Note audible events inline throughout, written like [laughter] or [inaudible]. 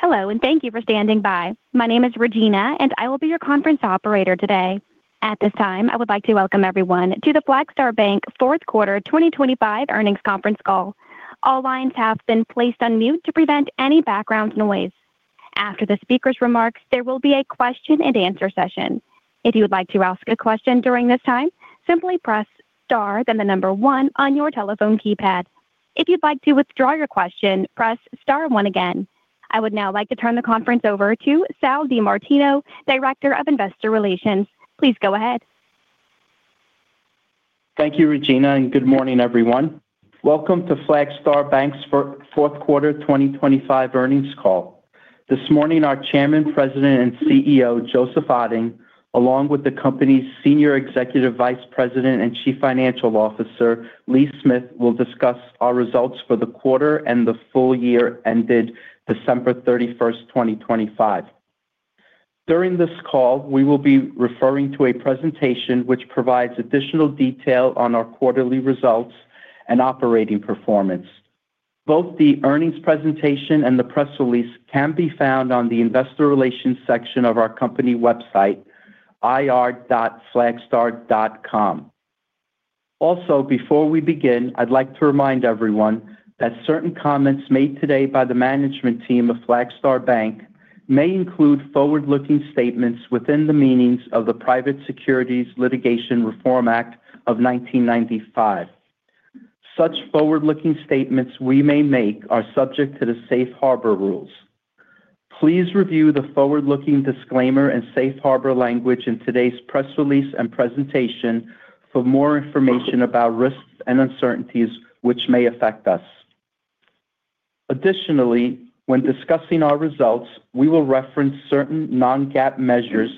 Hello, and thank you for standing by. My name is Regina, and I will be your conference operator today. At this time, I would like to welcome everyone to the Flagstar Bank Fourth Quarter 2025 Earnings Conference Call. All lines have been placed on mute to prevent any background noise. After the speaker's remarks, there will be a question and answer session. If you would like to ask a question during this time, simply press star, then the number one on your telephone keypad. If you'd like to withdraw your question, press star one again. I would now like to turn the conference over to Sal DiMartino, Director of Investor Relations. Please go ahead. Thank you, Regina, and good morning, everyone. Welcome to Flagstar Bank's fourth quarter 2025 earnings call. This morning, our Chairman, President, and CEO, Joseph Otting, along with the company's Senior Executive Vice President and Chief Financial Officer, Lee Smith, will discuss our results for the quarter and the full year ended December 31, 2025. During this call, we will be referring to a presentation which provides additional detail on our quarterly results and operating performance. Both the earnings presentation and the press release can be found on the Investor Relations section of our company website, ir.flagstar.com. Also, before we begin, I'd like to remind everyone that certain comments made today by the management team of Flagstar Bank may include forward-looking statements within the meanings of the Private Securities Litigation Reform Act of 1995. Such forward-looking statements we may make are subject to the safe harbor rules. Please review the forward-looking disclaimer and safe harbor language in today's press release and presentation for more information about risks and uncertainties which may affect us. Additionally, when discussing our results, we will reference certain non-GAAP measures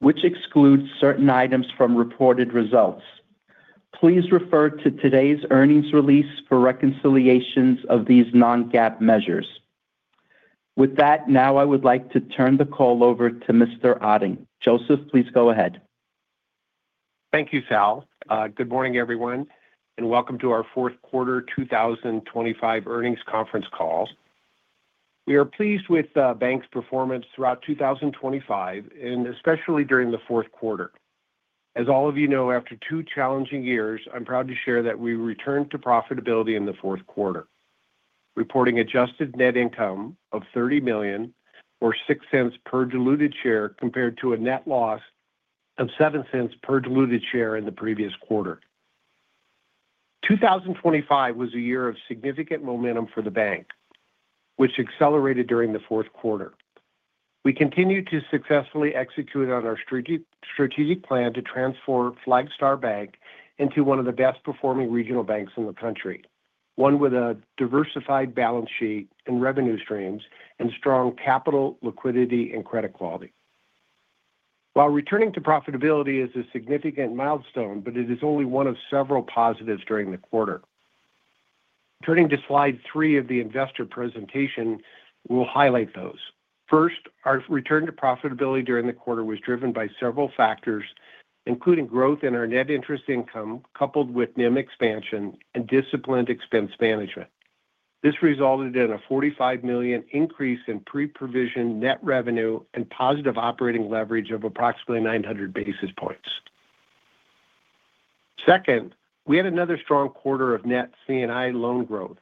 which exclude certain items from reported results. Please refer to today's earnings release for reconciliations of these non-GAAP measures. With that, now I would like to turn the call over to Mr. Otting. Joseph, please go ahead. Thank you, Sal. Good morning, everyone, and welcome to our fourth quarter 2025 earnings conference call. We are pleased with the bank's performance throughout 2025 and especially during the fourth quarter. As all of you know, after two challenging years, I'm proud to share that we returned to profitability in the fourth quarter, reporting adjusted net income of $30 million or $0.06 per diluted share, compared to a net loss of $0.07 per diluted share in the previous quarter. 2025 was a year of significant momentum for the bank, which accelerated during the fourth quarter. We continued to successfully execute on our strategic, strategic plan to transform Flagstar Bank into one of the best-performing regional banks in the country, one with a diversified balance sheet and revenue streams and strong capital, liquidity, and credit quality. While returning to profitability is a significant milestone, but it is only one of several positives during the quarter. Turning to slide three of the investor presentation, we'll highlight those. First, our return to profitability during the quarter was driven by several factors, including growth in our net interest income, coupled with NIM expansion and disciplined expense management. This resulted in a $45 million increase in pre-provision net revenue and positive operating leverage of approximately 900 basis points. Second, we had another strong quarter of net C&I loan growth,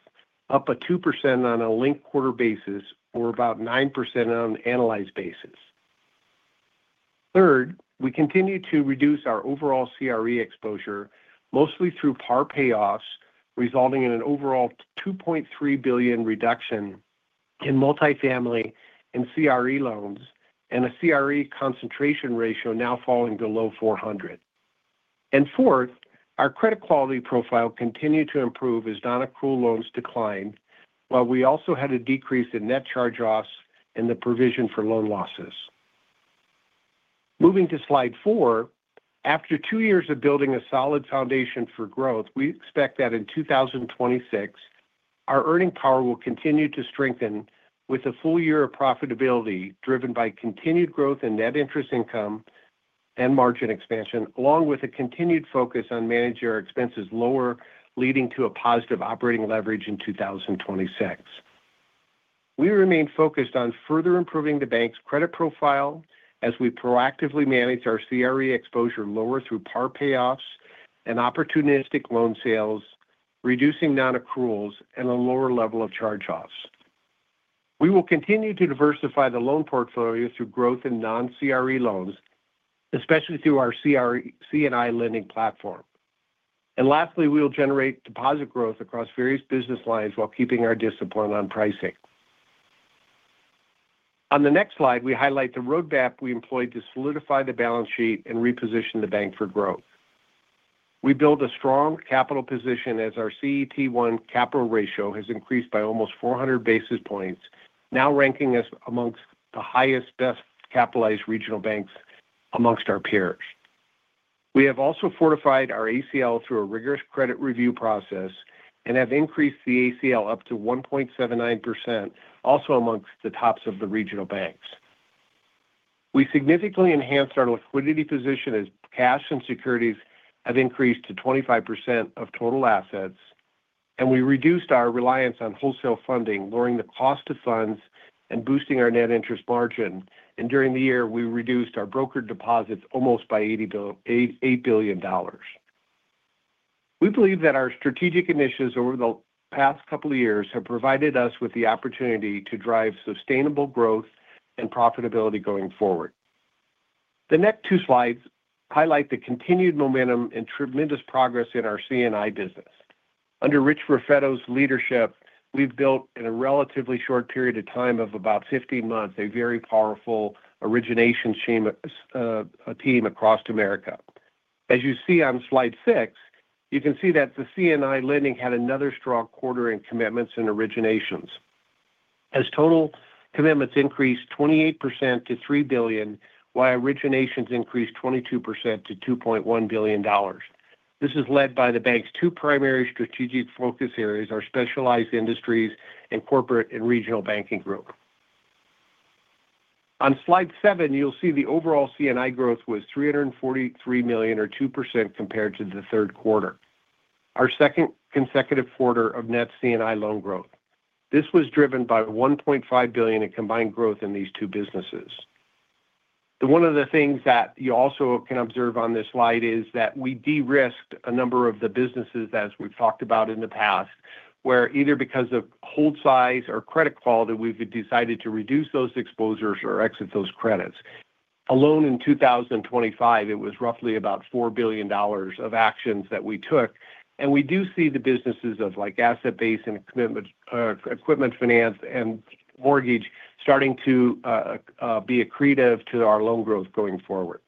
up 2% on a linked quarter basis, or about 9% on an analyzed basis. Third, we continued to reduce our overall CRE exposure, mostly through par payoffs, resulting in an overall $2.3 billion reduction in multifamily and CRE loans and a CRE concentration ratio now falling below 400. Fourth, our credit quality profile continued to improve as non-accrual loans declined, while we also had a decrease in net charge-offs and the provision for loan losses. Moving to slide four, after two years of building a solid foundation for growth, we expect that in 2026, our earning power will continue to strengthen with a full year of profitability, driven by continued growth in net interest income and margin expansion, along with a continued focus on managing our expenses lower, leading to a positive operating leverage in 2026. We remain focused on further improving the bank's credit profile as we proactively manage our CRE exposure lower through par payoffs and opportunistic loan sales, reducing non-accruals and a lower level of charge-offs. We will continue to diversify the loan portfolio through growth in non-CRE loans, especially through our C&I lending platform. Lastly, we will generate deposit growth across various business lines while keeping our discipline on pricing. On the next slide, we highlight the roadmap we employed to solidify the balance sheet and reposition the bank for growth. We built a strong capital position as our CET1 capital ratio has increased by almost 400 basis points, now ranking us amongst the highest, best capitalized regional banks amongst our peers. We have also fortified our ACL through a rigorous credit review process and have increased the ACL up to 1.79%, also amongst the tops of the regional banks. We significantly enhanced our liquidity position as cash and securities have increased to 25% of total assets, and we reduced our reliance on wholesale funding, lowering the cost of funds and boosting our net interest margin. During the year, we reduced our brokered deposits almost by $8 billion. We believe that our strategic initiatives over the past couple of years have provided us with the opportunity to drive sustainable growth and profitability going forward. The next two slides highlight the continued momentum and tremendous progress in our C&I business. Under Rich Raffetto's leadership, we've built, in a relatively short period of time of about 15 months, a very powerful origination machine team across America. As you see on slide six, you can see that the C&I lending had another strong quarter in commitments and originations. As total commitments increased 28% to $3 billion, while originations increased 22% to $2.1 billion. This is led by the bank's two primary strategic focus areas, our specialized industries and corporate and regional banking group. On slide seven, you'll see the overall C&I growth was $343 million, or 2% compared to the third quarter. Our second consecutive quarter of net C&I loan growth. This was driven by $1.5 billion in combined growth in these two businesses. One of the things that you also can observe on this slide is that we de-risked a number of the businesses, as we've talked about in the past, where either because of hold size or credit quality, we've decided to reduce those exposures or exit those credits. All in, in 2025, it was roughly about $4 billion of actions that we took, and we do see the businesses of like asset-based and commitment, equipment finance and mortgage starting to be accretive to our loan growth going forward.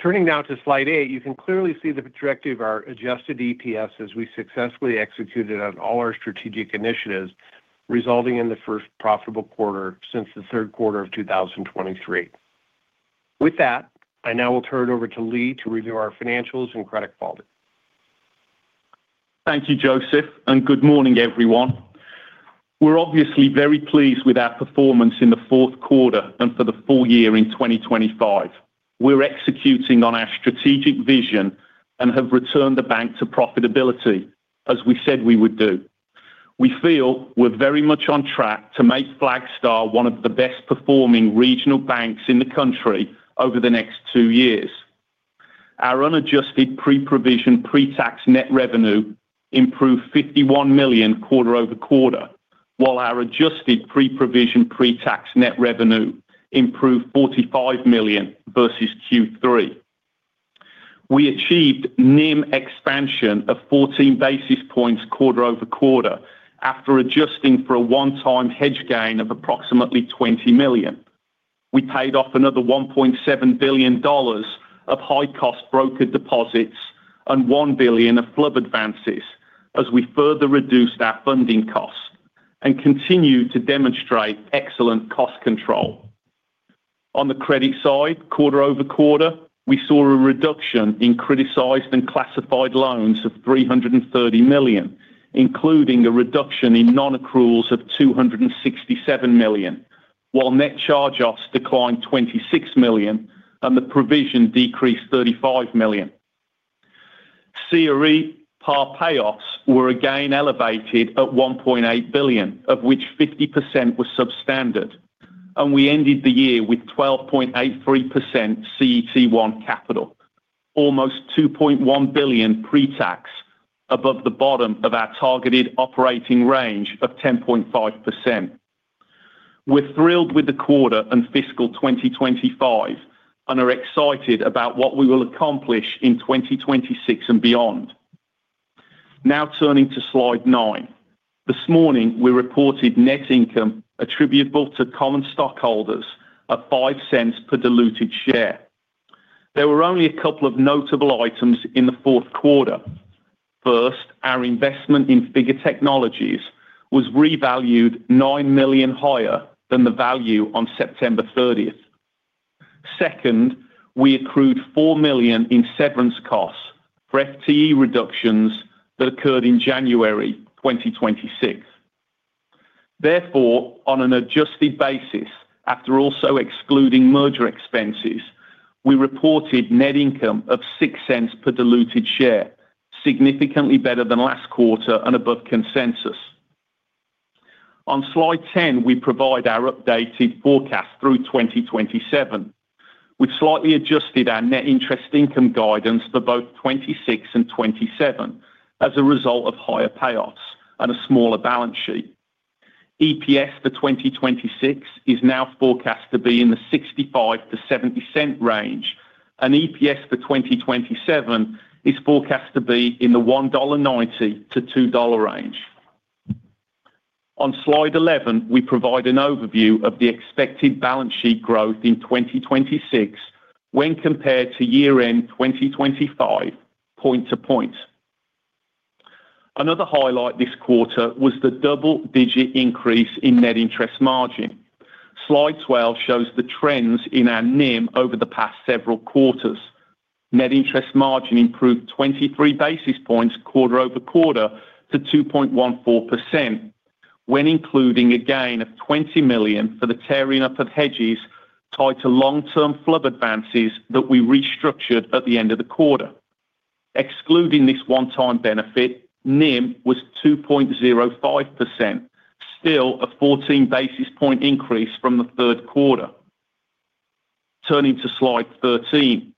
Turning now to slide eight, you can clearly see the trajectory of our adjusted EPS as we successfully executed on all our strategic initiatives, resulting in the first profitable quarter since the third quarter of 2023. With that, I now will turn it over to Lee to review our financials and credit quality. Thank you, Joseph, and good morning, everyone. We're obviously very pleased with our performance in the fourth quarter and for the full year in 2025. We're executing on our strategic vision and have returned the bank to profitability, as we said we would do. We feel we're very much on track to make Flagstar one of the best-performing regional banks in the country over the next two years. Our unadjusted pre-provision, pre-tax net revenue improved $51 million quarter-over-quarter, while our adjusted pre-provision, pre-tax net revenue improved $45 million versus Q3. We achieved NIM expansion of 14 basis points quarter-over-quarter, after adjusting for a one-time hedge gain of approximately $20 million. We paid off another $1.7 billion of high-cost brokered deposits and $1 billion of FHLB advances as we further reduced our funding costs and continued to demonstrate excellent cost control. On the credit side, quarter-over-quarter, we saw a reduction in criticized and classified loans of $330 million, including a reduction in non-accruals of $267 million, while net charge-offs declined $26 million and the provision decreased $35 million. CRE par payoffs were again elevated at $1.8 billion, of which 50% were substandard, and we ended the year with 12.83% CET1 capital, almost $2.1 billion pre-tax above the bottom of our targeted operating range of 10.5%. We're thrilled with the quarter and fiscal 2025 and are excited about what we will accomplish in 2026 and beyond. Now turning to slide nine. This morning, we reported net income attributable to common stockholders of $0.05 per diluted share. There were only a couple of notable items in the fourth quarter. First, our investment in Figure Technologies was revalued $9 million higher than the value on September 30. Second, we accrued $4 million in severance costs for FTE reductions that occurred in January 2026. Therefore, on an adjusted basis, after also excluding merger expenses, we reported net income of $0.06 per diluted share, significantly better than last quarter and above consensus. On slide 10, we provide our updated forecast through 2027. We've slightly adjusted our net interest income guidance for both 2026 and 2027 as a result of higher payoffs and a smaller balance sheet. EPS for 2026 is now forecast to be in the $0.65-$0.70 range, and EPS for 2027 is forecast to be in the $1.90-$2.00 range. On Slide 11, we provide an overview of the expected balance sheet growth in 2026 when compared to year-end 2025, point to point. Another highlight this quarter was the double-digit increase in net interest margin. Slide 12 shows the trends in our NIM over the past several quarters. Net interest margin improved 23 basis points quarter-over-quarter to 2.14%, when including a gain of $20 million for the tearing up of hedges tied to long-term FHLB advances that we restructured at the end of the quarter. Excluding this one-time benefit, NIM was 2.05%, still a 14 basis point increase from the third quarter. Turning to Slide 13.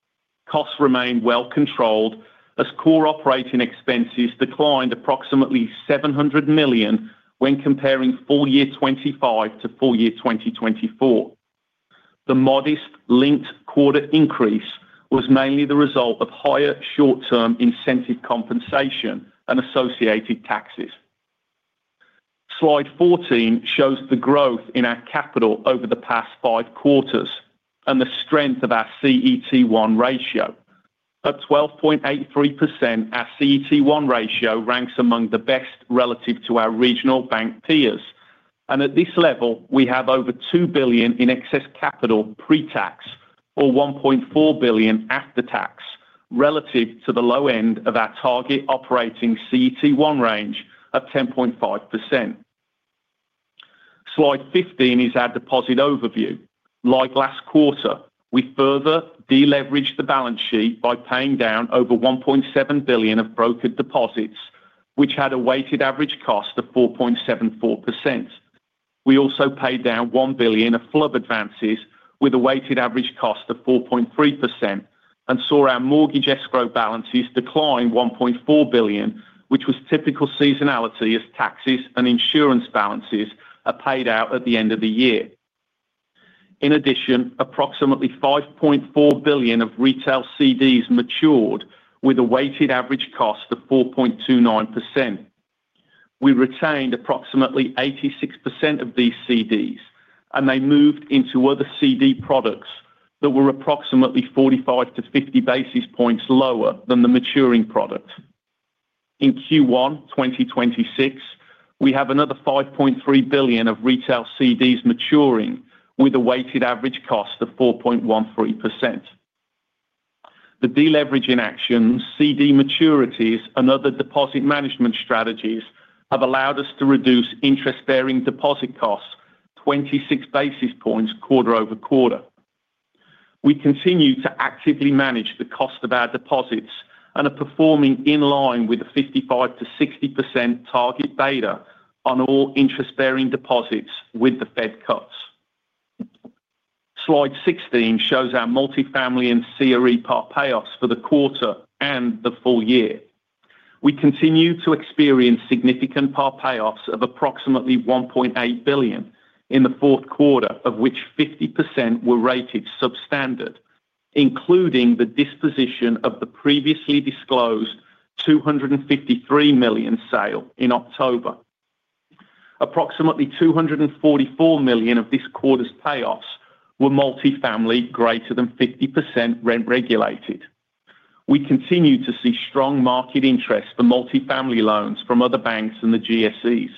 Costs remained well controlled as core operating expenses declined approximately $700 million when comparing full year 2025 to full year 2024. The modest linked quarter increase was mainly the result of higher short-term incentive compensation and associated taxes. Slide 14 shows the growth in our capital over the past five quarters and the strength of our CET1 ratio. At 12.83%, our CET1 ratio ranks among the best relative to our regional bank peers, and at this level, we have over $2 billion in excess capital pre-tax, or $1.4 billion after tax, relative to the low end of our target operating CET1 range of 10.5%. Slide 15 is our deposit overview. Like last quarter, we further deleveraged the balance sheet by paying down over $1.7 billion of brokered deposits, which had a weighted average cost of 4.74%. We also paid down $1 billion of FHLB advances with a weighted average cost of 4.3% and saw our mortgage escrow balances decline $1.4 billion, which was typical seasonality as taxes and insurance balances are paid out at the end of the year. In addition, approximately $5.4 billion of retail CDs matured with a weighted average cost of 4.29%. We retained approximately 86% of these CDs, and they moved into other CD products that were approximately 45-50 basis points lower than the maturing product. In Q1 2026, we have another $5.3 billion of retail CDs maturing with a weighted average cost of 4.13%. The deleveraging actions, CD maturities, and other deposit management strategies have allowed us to reduce interest-bearing deposit costs 26 basis points quarter-over-quarter. We continue to actively manage the cost of our deposits and are performing in line with the 55%-60% target beta on all interest-bearing deposits with the Fed cuts. Slide 16 shows our multifamily and CRE par payoffs for the quarter and the full year. We continue to experience significant par payoffs of approximately $1.8 billion in the fourth quarter, of which 50% were rated substandard, including the disposition of the previously disclosed $253 million sale in October. Approximately $244 million of this quarter's payoffs were multifamily, greater than 50% rent-regulated. We continue to see strong market interest for multifamily loans from other banks and the GSEs.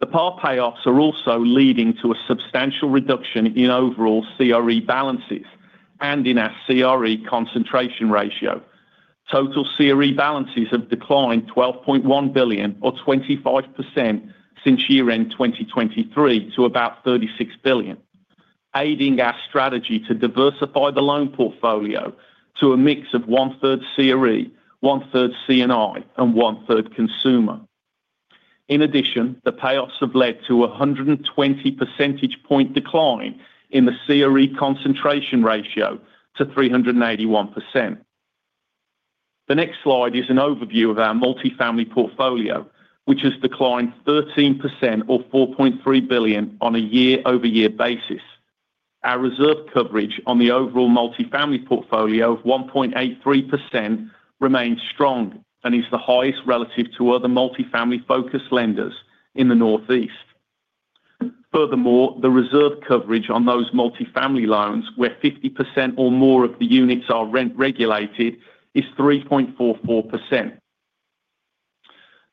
The par payoffs are also leading to a substantial reduction in overall CRE balances and in our CRE concentration ratio. Total CRE balances have declined $12.1 billion or 25% since year-end 2023 to about $36 billion, aiding our strategy to diversify the loan portfolio to a mix of 1/3 CRE, 1/3 C&I, and 1/3 consumer. In addition, the payoffs have led to a 120 percentage point decline in the CRE concentration ratio to 381%. The next slide is an overview of our multifamily portfolio, which has declined 13% or $4.3 billion on a year-over-year basis. Our reserve coverage on the overall multifamily portfolio of 1.83% remains strong and is the highest relative to other multifamily-focused lenders in the Northeast. Furthermore, the reserve coverage on those multifamily loans, where 50% or more of the units are rent-regulated, is 3.44%.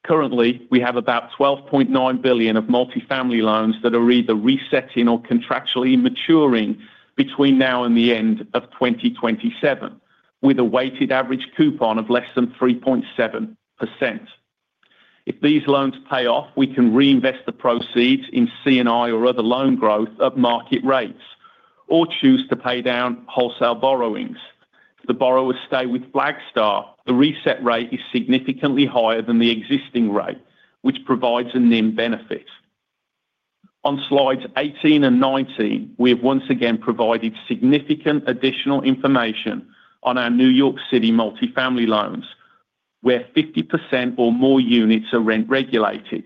Currently, we have about $12.9 billion of multifamily loans that are either resetting or contractually maturing between now and the end of 2027, with a weighted average coupon of less than 3.7%. If these loans pay off, we can reinvest the proceeds in C&I or other loan growth of market rates or choose to pay down wholesale borrowings. If the borrowers stay with Flagstar, the reset rate is significantly higher than the existing rate, which provides a NIM benefit. On slides 18 and 19, we have once again provided significant additional information on our New York City multifamily loans, where 50% or more units are rent-regulated.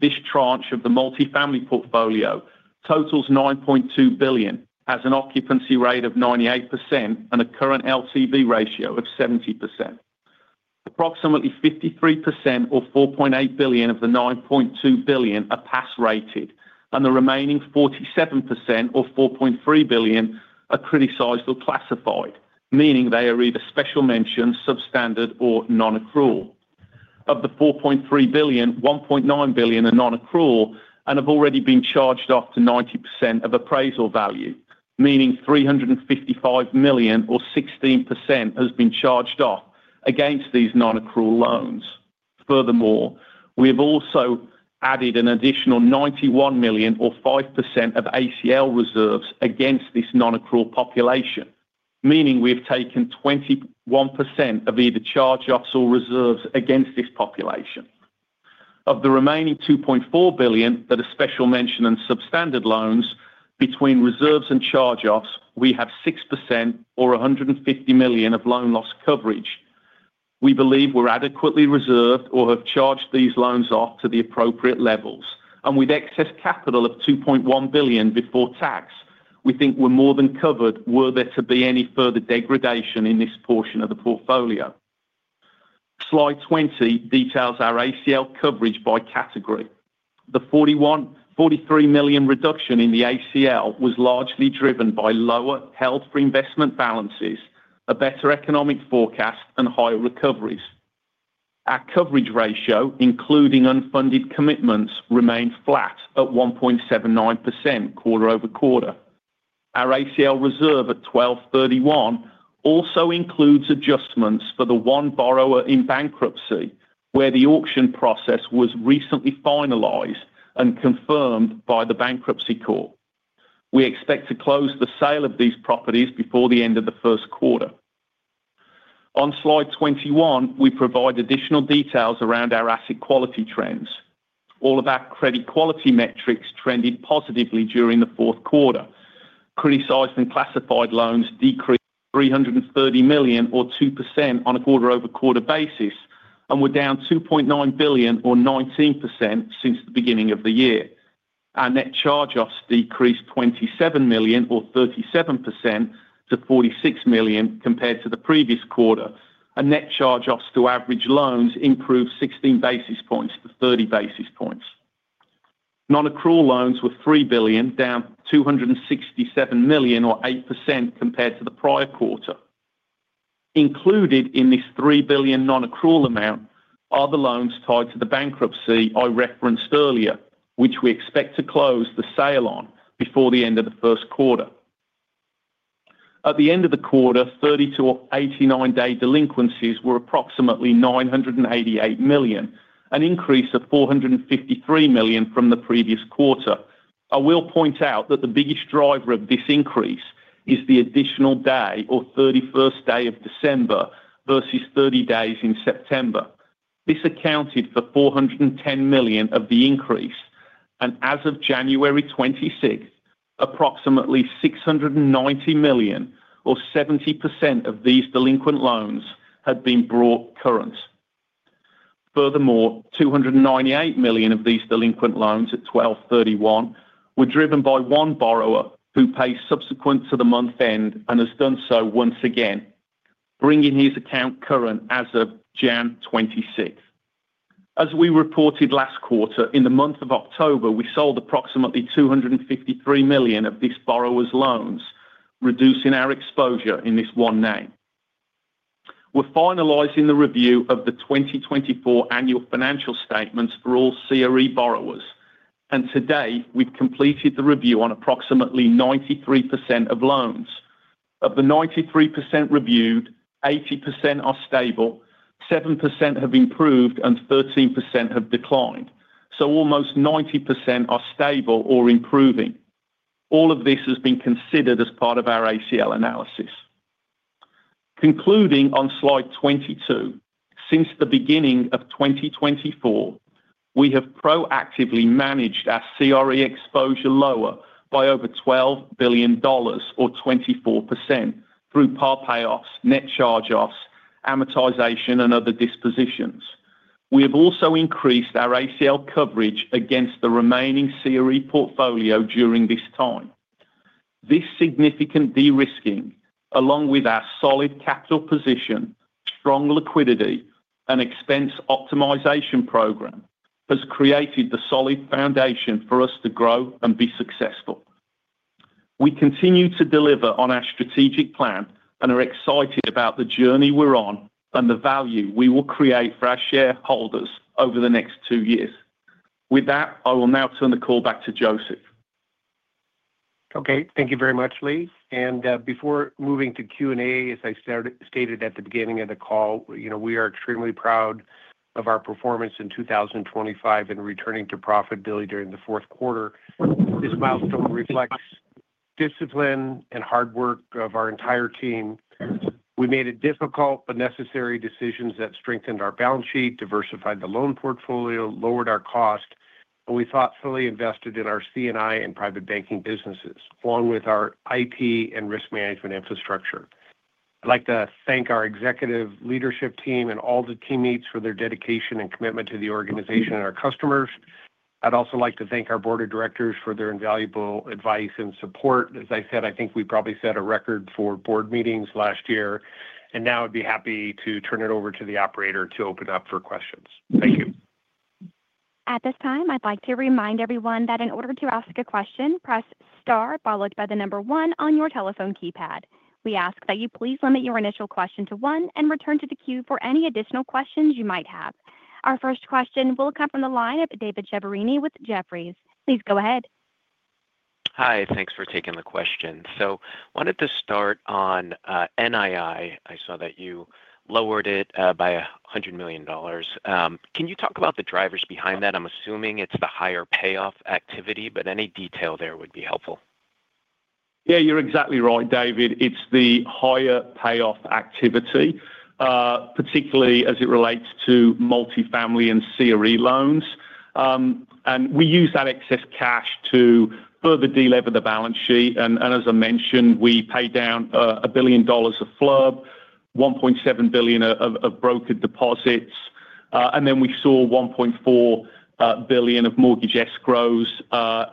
This tranche of the multifamily portfolio totals $9.2 billion, has an occupancy rate of 98%, and a current LTV ratio of 70%. Approximately 53% or $4.8 billion of the $9.2 billion are pass-rated, and the remaining 47% or $4.3 billion are criticized or classified, meaning they are either special mention, substandard, or nonaccrual. Of the $4.3 billion, $1.9 billion are nonaccrual and have already been charged off to 90% of appraisal value, meaning $355 million or 16% has been charged off against these nonaccrual loans. Furthermore, we have also added an additional $91 million or 5% of ACL reserves against this nonaccrual population, meaning we have taken 21% of either charge-offs or reserves against this population. Of the remaining $2.4 billion that are special mention and substandard loans between reserves and charge-offs, we have 6% or $150 million of loan loss coverage. We believe we're adequately reserved or have charged these loans off to the appropriate levels, and with excess capital of $2.1 billion before tax, we think we're more than covered were there to be any further degradation in this portion of the portfolio. Slide 20 details our ACL coverage by category. The $41 million -$43 million reduction in the ACL was largely driven by lower held for investment balances, a better economic forecast, and higher recoveries. Our coverage ratio, including unfunded commitments, remained flat at 1.79% quarter-over-quarter. Our ACL reserve at 12/31 also includes adjustments for the one borrower in bankruptcy, where the auction process was recently finalized and confirmed by the bankruptcy court. We expect to close the sale of these properties before the end of the first quarter. On slide 21, we provide additional details around our asset quality trends. All of our credit quality metrics trended positively during the fourth quarter. Criticized and Classified Loans decreased $330 million, or 2%, on a quarter-over-quarter basis, and were down $2.9 billion, or 19%, since the beginning of the year. Our net charge-offs decreased $27 million, or 37%, to $46 million compared to the previous quarter, and net charge-offs to average loans improved 16 basis points to 30 basis points. Non-Accrual Loans were $3 billion, down $267 million, or 8%, compared to the prior quarter. Included in this $3 billion nonaccrual amount are the loans tied to the bankruptcy I referenced earlier, which we expect to close the sale on before the end of the first quarter. At the end of the quarter, 30 to 89 day delinquencies were approximately $988 million, an increase of $453 million from the previous quarter. I will point out that the biggest driver of this increase is the additional day or 31st day of December versus 30 days in September. This accounted for $410 million of the increase, and as of January 26th, approximately $690 million, or 70% of these delinquent loans, had been brought current. Furthermore, $298 million of these delinquent loans at 12/31 were driven by one borrower who pays subsequent to the month end and has done so once again, bringing his account current as of January 26th. As we reported last quarter, in the month of October, we sold approximately $253 million of this borrower's loans, reducing our exposure in this one name. We're finalizing the review of the 2024 annual financial statements for all CRE borrowers, and today we've completed the review on approximately 93% of loans. Of the 93% reviewed, 80% are stable, 7% have improved, and 13% have declined. So almost 90% are stable or improving. All of this has been considered as part of our ACL analysis. Concluding on slide 22, since the beginning of 2024, we have proactively managed our CRE exposure lower by over $12 billion or 24% through par payoffs, net charge-offs, amortization, and other dispositions. We have also increased our ACL coverage against the remaining CRE portfolio during this time. This significant de-risking, along with our solid capital position, strong liquidity, and expense optimization program, has created the solid foundation for us to grow and be successful. We continue to deliver on our strategic plan and are excited about the journey we're on and the value we will create for our shareholders over the next two years. With that, I will now turn the call back to Joseph. Okay, thank you very much, Lee. And, before moving to Q&A, as I stated at the beginning of the call, you know, we are extremely proud of our performance in 2025 and returning to profitability during the fourth quarter. This milestone reflects discipline and hard work of our entire team. We made it difficult but necessary decisions that strengthened our balance sheet, diversified the loan portfolio, lowered our cost, and we thoughtfully invested in our C&I and private banking businesses, along with our IT and risk management infrastructure. I'd like to thank our executive leadership team and all the teammates for their dedication and commitment to the organization and our customers. I'd also like to thank our board of directors for their invaluable advice and support. As I said, I think we probably set a record for board meetings last year, and now I'd be happy to turn it over to the operator to open up for questions. Thank you. At this time, I'd like to remind everyone that in order to ask a question, press star, followed by the number one on your telephone keypad. We ask that you please limit your initial question to one, and return to the queue for any additional questions you might have. Our first question will come from the line of David Chiaverini with Jefferies. Please go ahead. Hi, thanks for taking the question. So wanted to start on NII. I saw that you lowered it by $100 million. Can you talk about the drivers behind that? I'm assuming it's the higher payoff activity, but any detail there would be helpful. Yeah, you're exactly right, David. It's the higher payoff activity, particularly as it relates to multifamily and CRE loans. And we use that excess cash to further delever the balance sheet, and as I mentioned, we paid down $1 billion of FHLB, $1.7 billion of brokered deposits. And then we saw $1.4 billion of mortgage escrows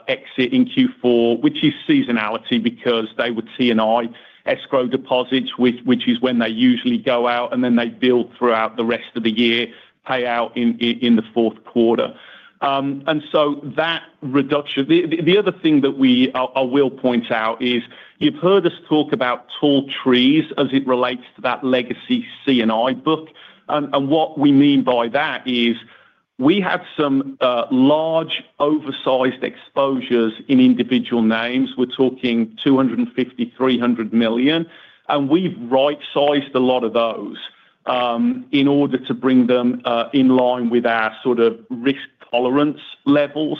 exit in Q4, which is seasonality, because they hold C&I escrow deposits, which is when they usually go out, and then they build throughout the rest of the year, pay out in the fourth quarter. And so that reduction. The other thing that we will point out is, you've heard us talk about tall trees as it relates to that legacy C&I book. What we mean by that is, we have some large, oversized exposures in individual names. We're talking $250 million-$300 million, and we've right-sized a lot of those in order to bring them in line with our sort of risk tolerance levels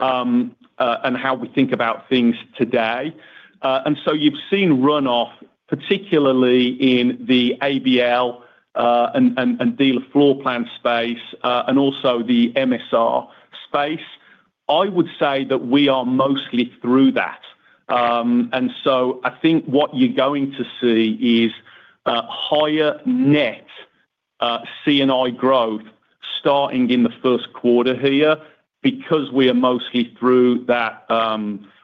and how we think about things today. So you've seen runoff, particularly in the ABL and dealer floor plan space and also the MSR space. I would say that we are mostly through that. So I think what you're going to see is higher net C&I growth starting in the first quarter here, because we are mostly through that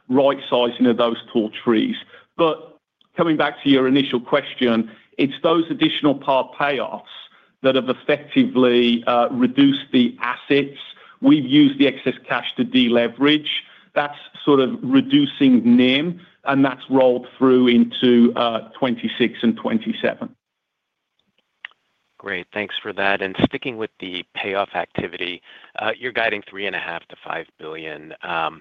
right-sizing of those tall trees. But coming back to your initial question, it's those additional par payoffs that have effectively reduced the assets. We've used the excess cash to deleverage. That's sort of reducing NIM, and that's rolled through into 2026 and 2027. Great, thanks for that. And sticking with the payoff activity, you're guiding $3.5 billion-$5 billion,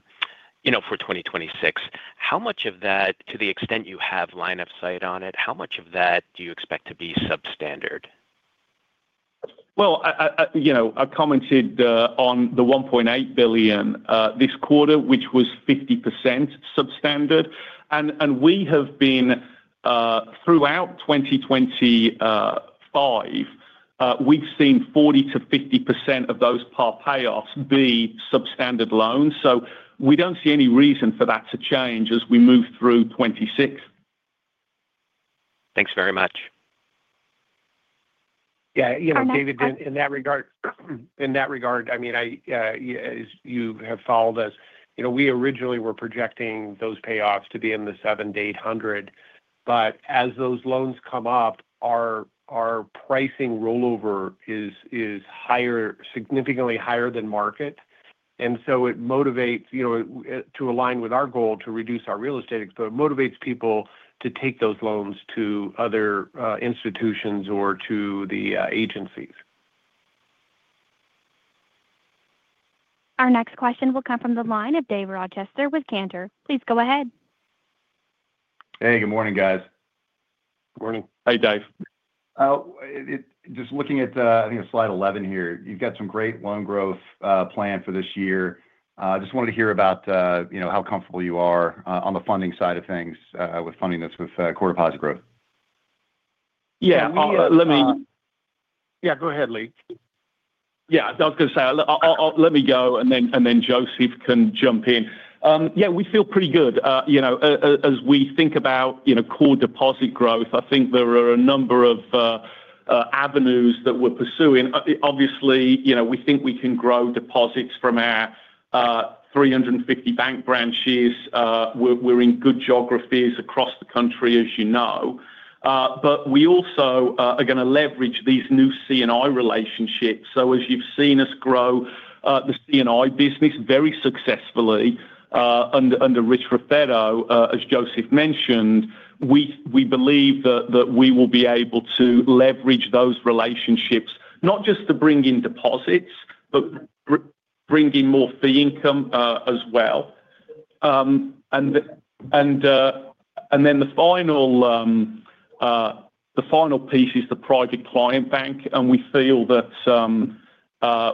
you know, for 2026. How much of that, to the extent you have line of sight on it, how much of that do you expect to be substandard? Well, you know, I commented on the $1.8 billion this quarter, which was 50% substandard. And we have been throughout 2025, we've seen 40%-50% of those par payoffs be substandard loans. So we don't see any reason for that to change as we move through 2026. Thanks very much. Yeah, you know, David, in, in that regard, in that regard, I mean, I, as you have followed us, you know, we originally were projecting those payoffs to be in the $700-$800, but as those loans come up, our, our pricing rollover is, is higher, significantly higher than market. And so it motivates, you know, to align with our goal to reduce our real estate exposure. It motivates people to take those loans to other institutions or to the agencies. Our next question will come from the line of Dave Rochester with Cantor. Please go ahead. Hey, good morning, guys. Good morning. Hey, Dave. Just looking at, I think it's slide 11 here, you've got some great loan growth planned for this year. Just wanted to hear about, you know, how comfortable you are on the funding side of things, with funding this with core deposit growth. Yeah, let me [crosstalk] Yeah, go ahead, Lee. Yeah, I was going to say, I'll let me go, and then Joseph can jump in. Yeah, we feel pretty good. You know, as we think about, you know, core deposit growth, I think there are a number of avenues that we're pursuing. Obviously, you know, we think we can grow deposits from our 350 bank branches. We're in good geographies across the country, as you know. We also are going to leverage these new C&I relationships. So as you've seen us grow the C&I business very successfully under Rich Raffetto, as Joseph mentioned, we believe that we will be able to leverage those relationships, not just to bring in deposits, but bring in more fee income, as well. And then the final piece is the private client bank, and we feel that some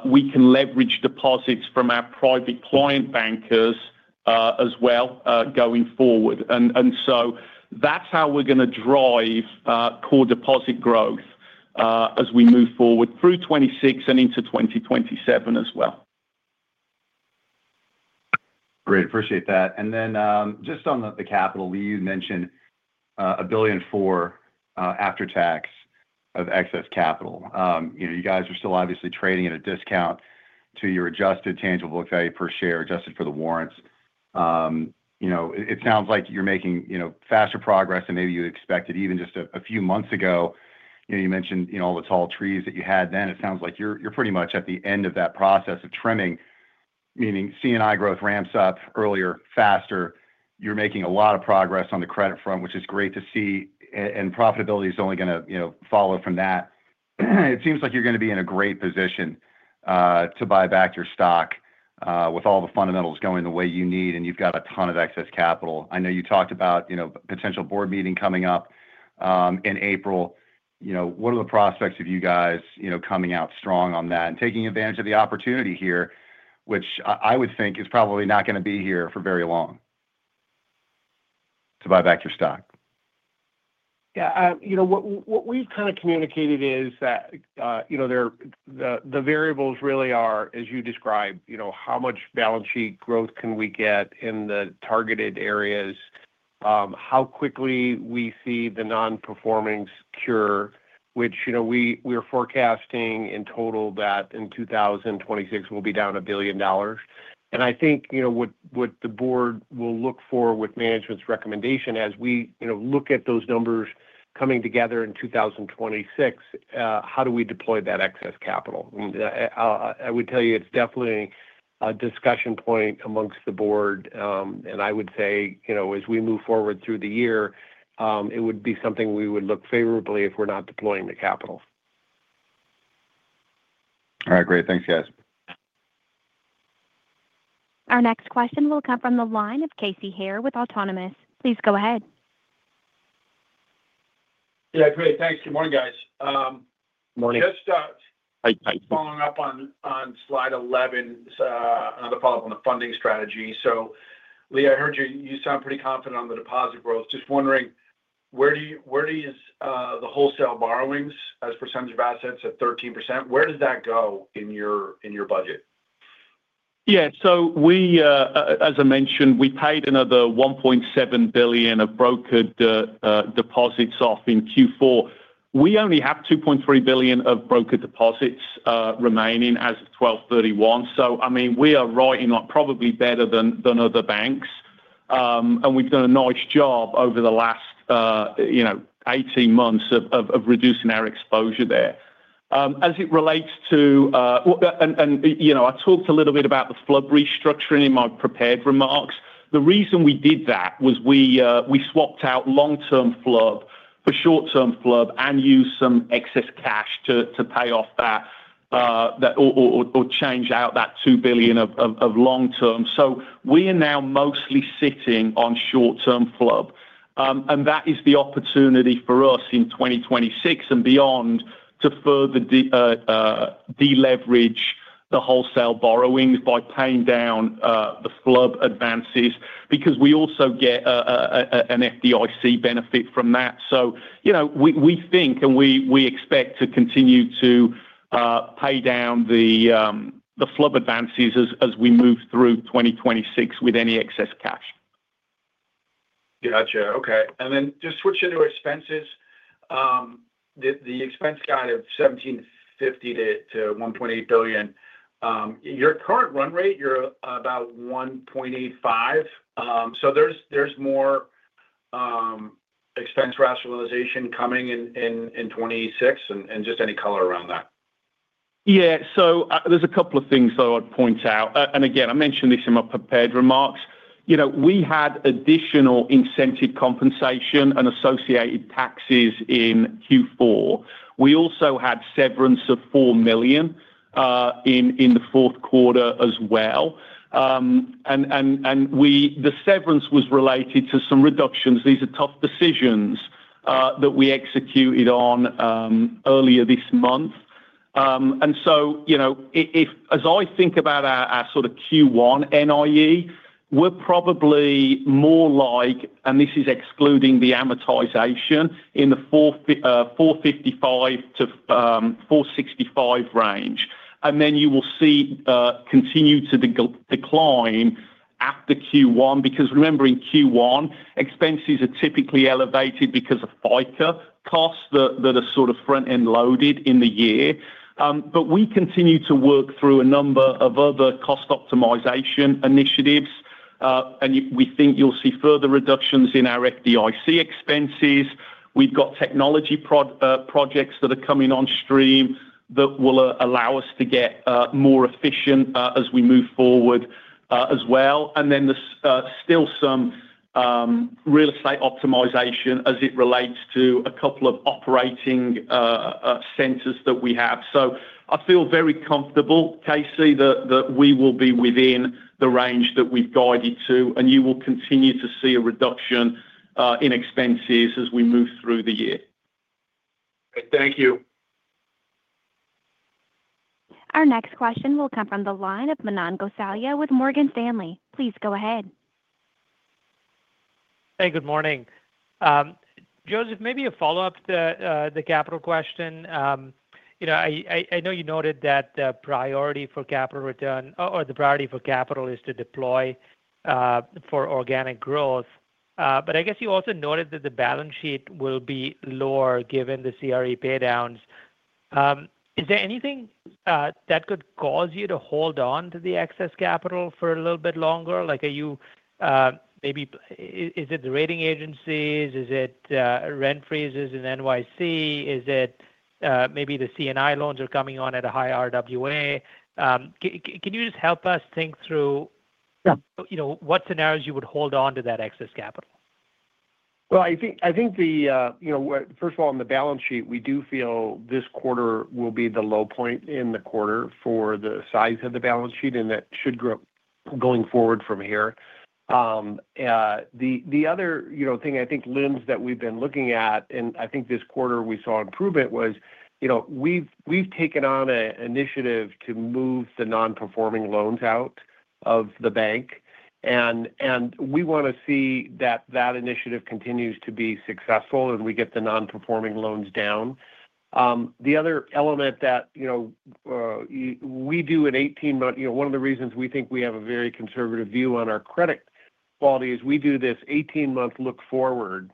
we can leverage deposits from our private client bankers as well, going forward. And so that's how we're going to drive core deposit growth as we move forward through 2026 and into 2027 as well. Great. Appreciate that. And then, just on the capital, Lee, you mentioned $1 billion for after-tax of excess capital. You know, you guys are still obviously trading at a discount to your adjusted tangible value per share, adjusted for the warrants. You know, it sounds like you're making faster progress than maybe you expected even just a few months ago. You know, you mentioned all the tall trees that you had then. It sounds like you're pretty much at the end of that process of trimming, meaning C&I growth ramps up earlier, faster. You're making a lot of progress on the credit front, which is great to see, and profitability is only going to follow from that. It seems like you're going to be in a great position to buy back your stock with all the fundamentals going the way you need, and you've got a ton of excess capital. I know you talked about, you know, potential board meeting coming up in April. You know, what are the prospects of you guys, you know, coming out strong on that and taking advantage of the opportunity here, which I would think is probably not going to be here for very long, to buy back your stock? Yeah, you know, what we've kind of communicated is that, you know, the variables really are, as you described, you know, how much balance sheet growth can we get in the targeted areas? How quickly we see the non-performings cure, which, you know, we are forecasting in total that in 2026, we'll be down $1 billion. I think, you know, what the board will look for with management's recommendation as we, you know, look at those numbers coming together in 2026, how do we deploy that excess capital? I would tell you, it's definitely a discussion point amongst the board. I would say, you know, as we move forward through the year, it would be something we would look favorably if we're not deploying the capital. All right. Great. Thanks, guys. Our next question will come from the line of Casey Haire with Autonomous. Please go ahead. Yeah, great. Thanks. Good morning, guys. Morning. Just, uh [crosstalk] Hi, Casey Following up on, on slide 11, on the follow-up on the funding strategy. So Lee, I heard you. You sound pretty confident on the deposit growth. Just wondering, where do you, where do you, the wholesale borrowings as a percentage of assets at 13%, where does that go in your, in your budget? Yeah. So we, as I mentioned, we paid another $1.7 billion of brokered deposits off in Q4. We only have $2.3 billion of brokered deposits remaining as of 12/31. So, I mean, we are writing off probably better than other banks. And we've done a nice job over the last, you know, 18 months of reducing our exposure there. As it relates to—Well, and, you know, I talked a little bit about the FHLB restructuring in my prepared remarks. The reason we did that was we swapped out long-term FHLB for short-term FHLB and used some excess cash to pay off that or change out that $2 billion of long-term. So we are now mostly sitting on short-term FHLB. And that is the opportunity for us in 2026 and beyond to further deleverage the wholesale borrowings by paying down the FHLB advances, because we also get an FDIC benefit from that. So, you know, we think, and we expect to continue to pay down the FHLB advances as we move through 2026 with any excess cash. Gotcha. Okay. And then just switching to expenses. The expense guide of $1.75 billion-$1.8 billion. Your current run rate, you're about $1.85 billion. So there's more expense rationalization coming in 2026, and just any color around that. Yeah. So, there's a couple of things that I'd point out. And again, I mentioned this in my prepared remarks. You know, we had additional incentive compensation and associated taxes in Q4. We also had severance of $4 million in the fourth quarter as well. And the severance was related to some reductions. These are tough decisions that we executed on earlier this month. And so, you know, if as I think about our sort of Q1 NIE, we're probably more like, and this is excluding the amortization in the $455-$465 range. And then you will see continue to decline after Q1, because remembering Q1, expenses are typically elevated because of FICA costs that are sort of front-end loaded in the year. We continue to work through a number of other cost optimization initiatives, and we think you'll see further reductions in our FDIC expenses. We've got technology projects that are coming on stream that will allow us to get more efficient as we move forward as well. And then there's still some real estate optimization as it relates to a couple of operating centers that we have. So I feel very comfortable, Casey, that we will be within the range that we've guided to, and you will continue to see a reduction in expenses as we move through the year. Thank you. Our next question will come from the line of Manan Gosalia with Morgan Stanley. Please go ahead. Hey, good morning. Joseph, maybe a follow-up to the capital question. You know, I know you noted that the priority for capital return or the priority for capital is to deploy for organic growth. But I guess you also noted that the balance sheet will be lower, given the CRE paydowns. Is there anything, that could cause you to hold on to the excess capital for a little bit longer? Like, are you, maybe is it the rating agencies? Is it, rent freezes in NYC? Is it, maybe the C&I loans are coming on at a high RWA? can you just help us think through- Yeah You know, what scenarios you would hold on to that excess capital? Well, I think, I think the, you know, well, first of all, on the balance sheet, we do feel this quarter will be the low point in the quarter for the size of the balance sheet, and that should grow going forward from here. The other, you know, thing I think we've been looking at, and I think this quarter we saw improvement, was, you know, we've, we've taken on a initiative to move the non-performing loans out of the bank, and, and we want to see that that initiative continues to be successful, and we get the non-performing loans down. The other element that, you know, we do an 18-month—you know, one of the reasons we think we have a very conservative view on our credit quality is we do this 18-month look forward,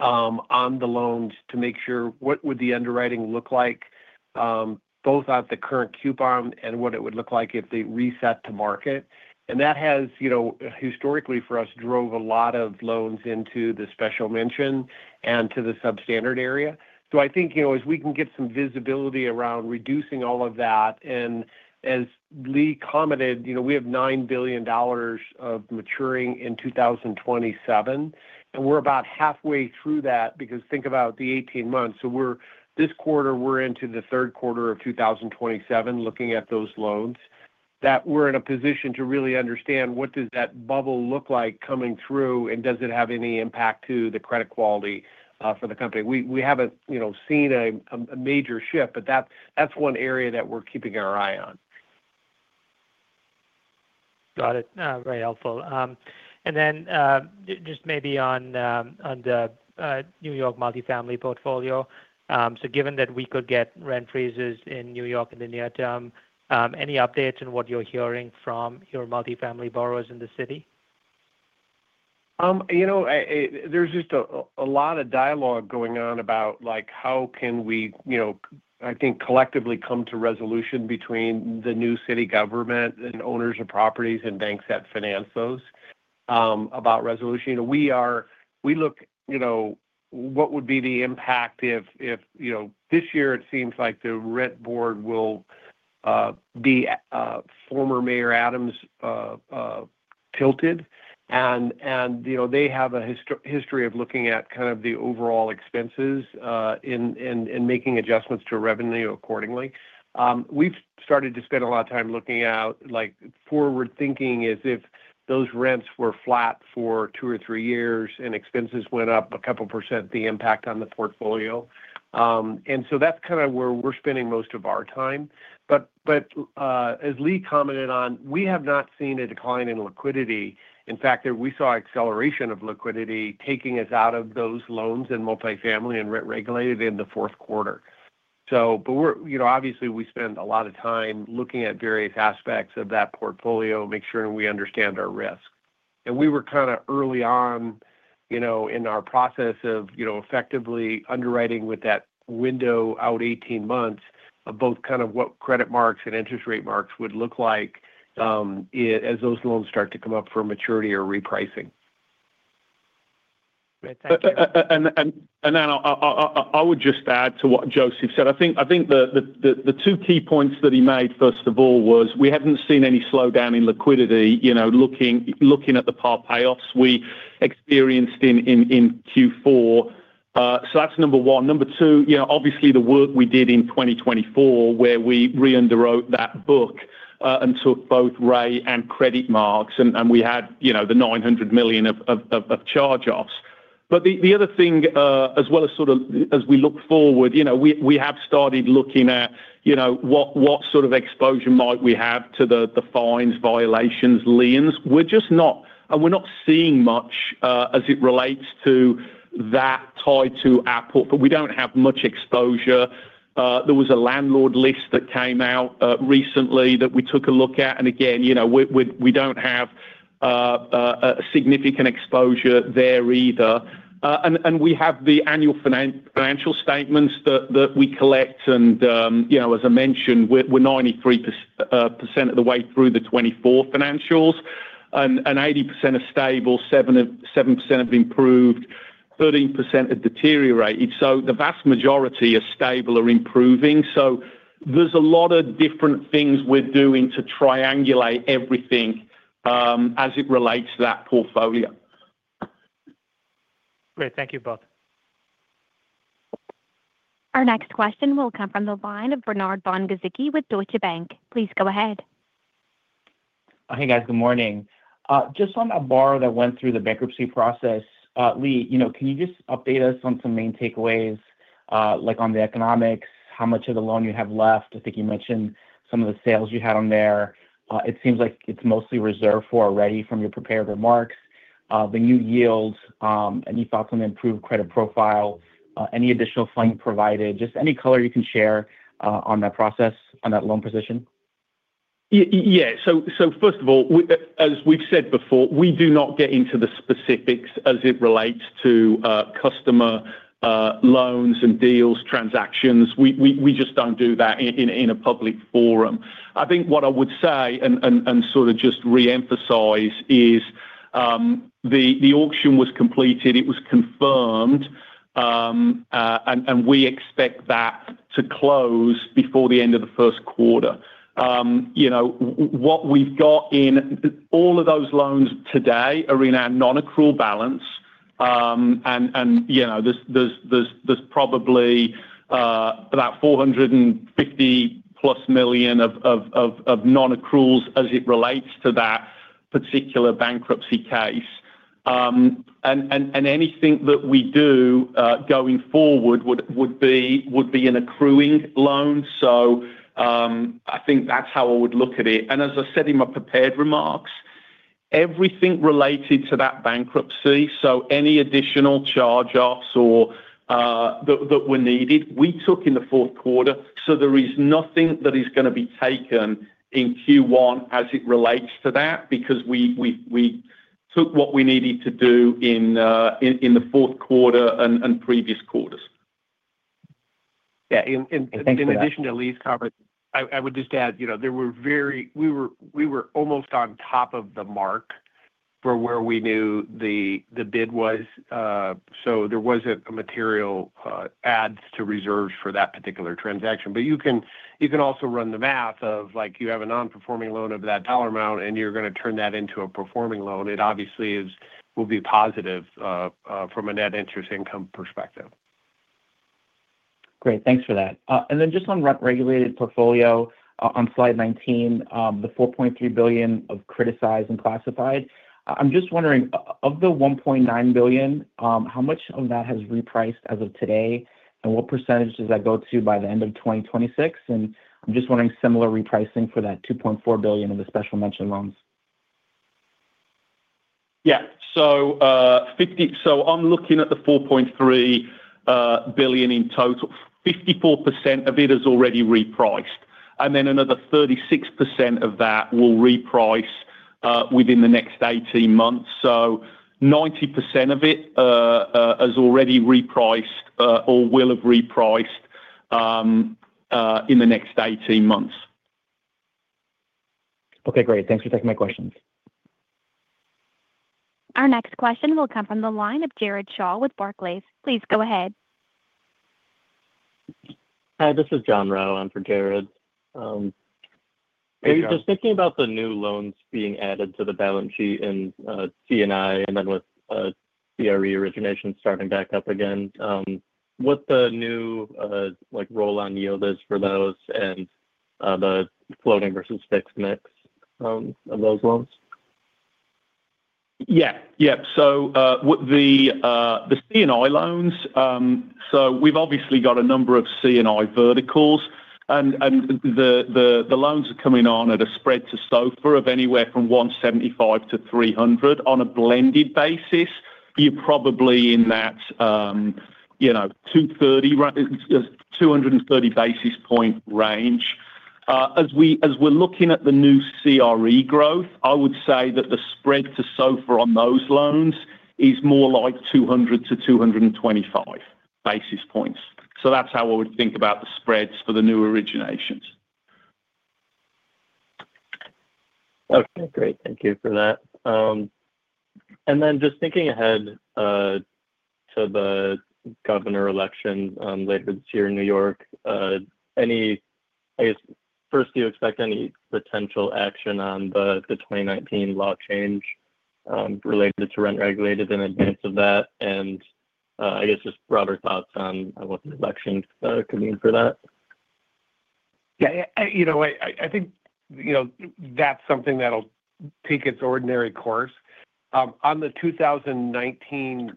on the loans to make sure what would the underwriting look like, both at the current coupon and what it would look like if they reset to market. And that has, you know, historically, for us, drove a lot of loans into the special mention and to the substandard area. So I think, you know, as we can get some visibility around reducing all of that, and as Lee commented, you know, we have $9 billion of maturing in 2027, and we're about halfway through that, because think about the 18 months. We're this quarter, we're into the third quarter of 2027, looking at those loans, that we're in a position to really understand what does that bubble look like coming through, and does it have any impact to the credit quality, for the company? We haven't, you know, seen a major shift, but that's one area that we're keeping our eye on. Got it. Very helpful. And then, just maybe on the New York multifamily portfolio. So given that we could get rent freezes in New York in the near term, any updates on what you're hearing from your multifamily borrowers in the city? You know, there's just a lot of dialogue going on about, like, how can we, you know, I think, collectively come to resolution between the new city government and owners of properties and banks that finance those, about resolution. You know, we look, you know, what would be the impact if... You know, this year it seems like the rent board will be former Mayor Adams'-tilted. You know, they have a history of looking at kind of the overall expenses, and making adjustments to revenue accordingly. We've started to spend a lot of time looking out, like forward thinking as if those rents were flat for two or three years and expenses went up a couple percent, the impact on the portfolio. That's kind of where we're spending most of our time. But, but, as Lee commented on, we have not seen a decline in liquidity. In fact, we saw acceleration of liquidity taking us out of those loans in multifamily and rent-regulated in the fourth quarter. So but we're-- you know, obviously, we spend a lot of time looking at various aspects of that portfolio, make sure we understand our risk. And we were kind of early on, you know, in our process of, you know, effectively underwriting with that window out eighteen months, both kind of what credit marks and interest rate marks would look like, as those loans start to come up for maturity or repricing. Great. Thank you. And then I would just add to what Joseph said. I think the two key points that he made, first of all, was we haven't seen any slowdown in liquidity, you know, looking at the par payoffs we experienced in Q4. So that's number one. Number two, you know, obviously the work we did in 2024, where we re-underwrote that book, and took both rate and credit marks, and we had, you know, the $900 million of charge-offs. But the other thing, as well as sort of as we look forward, you know, we have started looking at, you know, what sort of exposure might we have to the fines, violations, liens. We're just not and we're not seeing much as it relates to that tied to our portfolio, but we don't have much exposure. There was a landlord list that came out recently that we took a look at, and again, you know, we don't have a significant exposure there either. And we have the annual financial statements that we collect, and you know, as I mentioned, we're 93% of the way through the 2024 financials, and 80% are stable, 7% have improved, 13% have deteriorated. So the vast majority are stable or improving. So there's a lot of different things we're doing to triangulate everything as it relates to that portfolio. Great. Thank you both. Our next question will come from the line of Bernard Von Gizycki with Deutsche Bank. Please go ahead. Hey, guys, good morning. Just on a borrower that went through the bankruptcy process, Lee, you know, can you just update us on some main takeaways, like on the economics, how much of the loan you have left? I think you mentioned some of the sales you had on there. It seems like it's mostly reserved for already from your prepared remarks, the new yields. Any thoughts on the improved credit profile? Any additional funding provided? Just any color you can share, on that process, on that loan position. Yeah, so first of all, as we've said before, we do not get into the specifics as it relates to customer loans and deals, transactions. We just don't do that in a public forum. I think what I would say and sort of just re-emphasize is the auction was completed, it was confirmed, and we expect that to close before the end of the first quarter. You know, what we've got in all of those loans today are in our non-accrual balance. And you know, there's probably about $450+ million of non-accruals as it relates to that particular bankruptcy case. And anything that we do going forward would be an accruing loan. I think that's how I would look at it. And as I said in my prepared remarks, everything related to that bankruptcy, so any additional charge-offs or that were needed, we took in the fourth quarter, so there is nothing that is gonna be taken in Q1 as it relates to that, because we took what we needed to do in the fourth quarter and previous quarters. Yeah. In addition to Lee's comment, I would just add, you know, there were very—we were almost on top of the mark for where we knew the bid was. So there wasn't a material add to reserves for that particular transaction. But you can also run the math of, like, you have a non-performing loan of that dollar amount, and you're gonna turn that into a performing loan. It obviously will be positive from a net interest income perspective. Great, thanks for that. And then just on rent-regulated portfolio, on slide 19, the $4.3 billion of criticized and classified. I'm just wondering, of the $1.9 billion, how much of that has repriced as of today? And what percentage does that go to by the end of 2026? And I'm just wondering, similar repricing for that $2.4 billion in the special mention loans. Yeah. So, I'm looking at the $4.3 billion in total. 54% of it is already repriced, and then another 36% of that will reprice within the next 18 months. So 90% of it has already repriced or will have repriced in the next 18 months. Okay, great. Thanks for taking my questions. Our next question will come from the line of Jared Shaw with Barclays. Please go ahead. Hi, this is John Rowe in for Jared. Hey, John. Just thinking about the new loans being added to the balance sheet in C&I, and then with CRE origination starting back up again, what the new like roll-on yield is for those, and the floating versus fixed mix of those loans? Yeah, yeah. So, with the, the C&I loans, so we've obviously got a number of C&I verticals, and, and the, the, the loans are coming on at a spread to SOFR of anywhere from 175 to 300. On a blended basis, you're probably in that, you know, 230 basis point range. As we're looking at the new CRE growth, I would say that the spread to SOFR on those loans is more like 200-225 basis points. So that's how I would think about the spreads for the new originations. Okay, great. Thank you for that. And then just thinking ahead, to the governor election, later this year in New York, any... I guess, first, do you expect any potential action on the, the 2019 law change, related to rent-regulated in advance of that? And, I guess just broader thoughts on what the election, could mean for that. Yeah, you know what? I think, you know, that's something that'll take its ordinary course. On the 2019,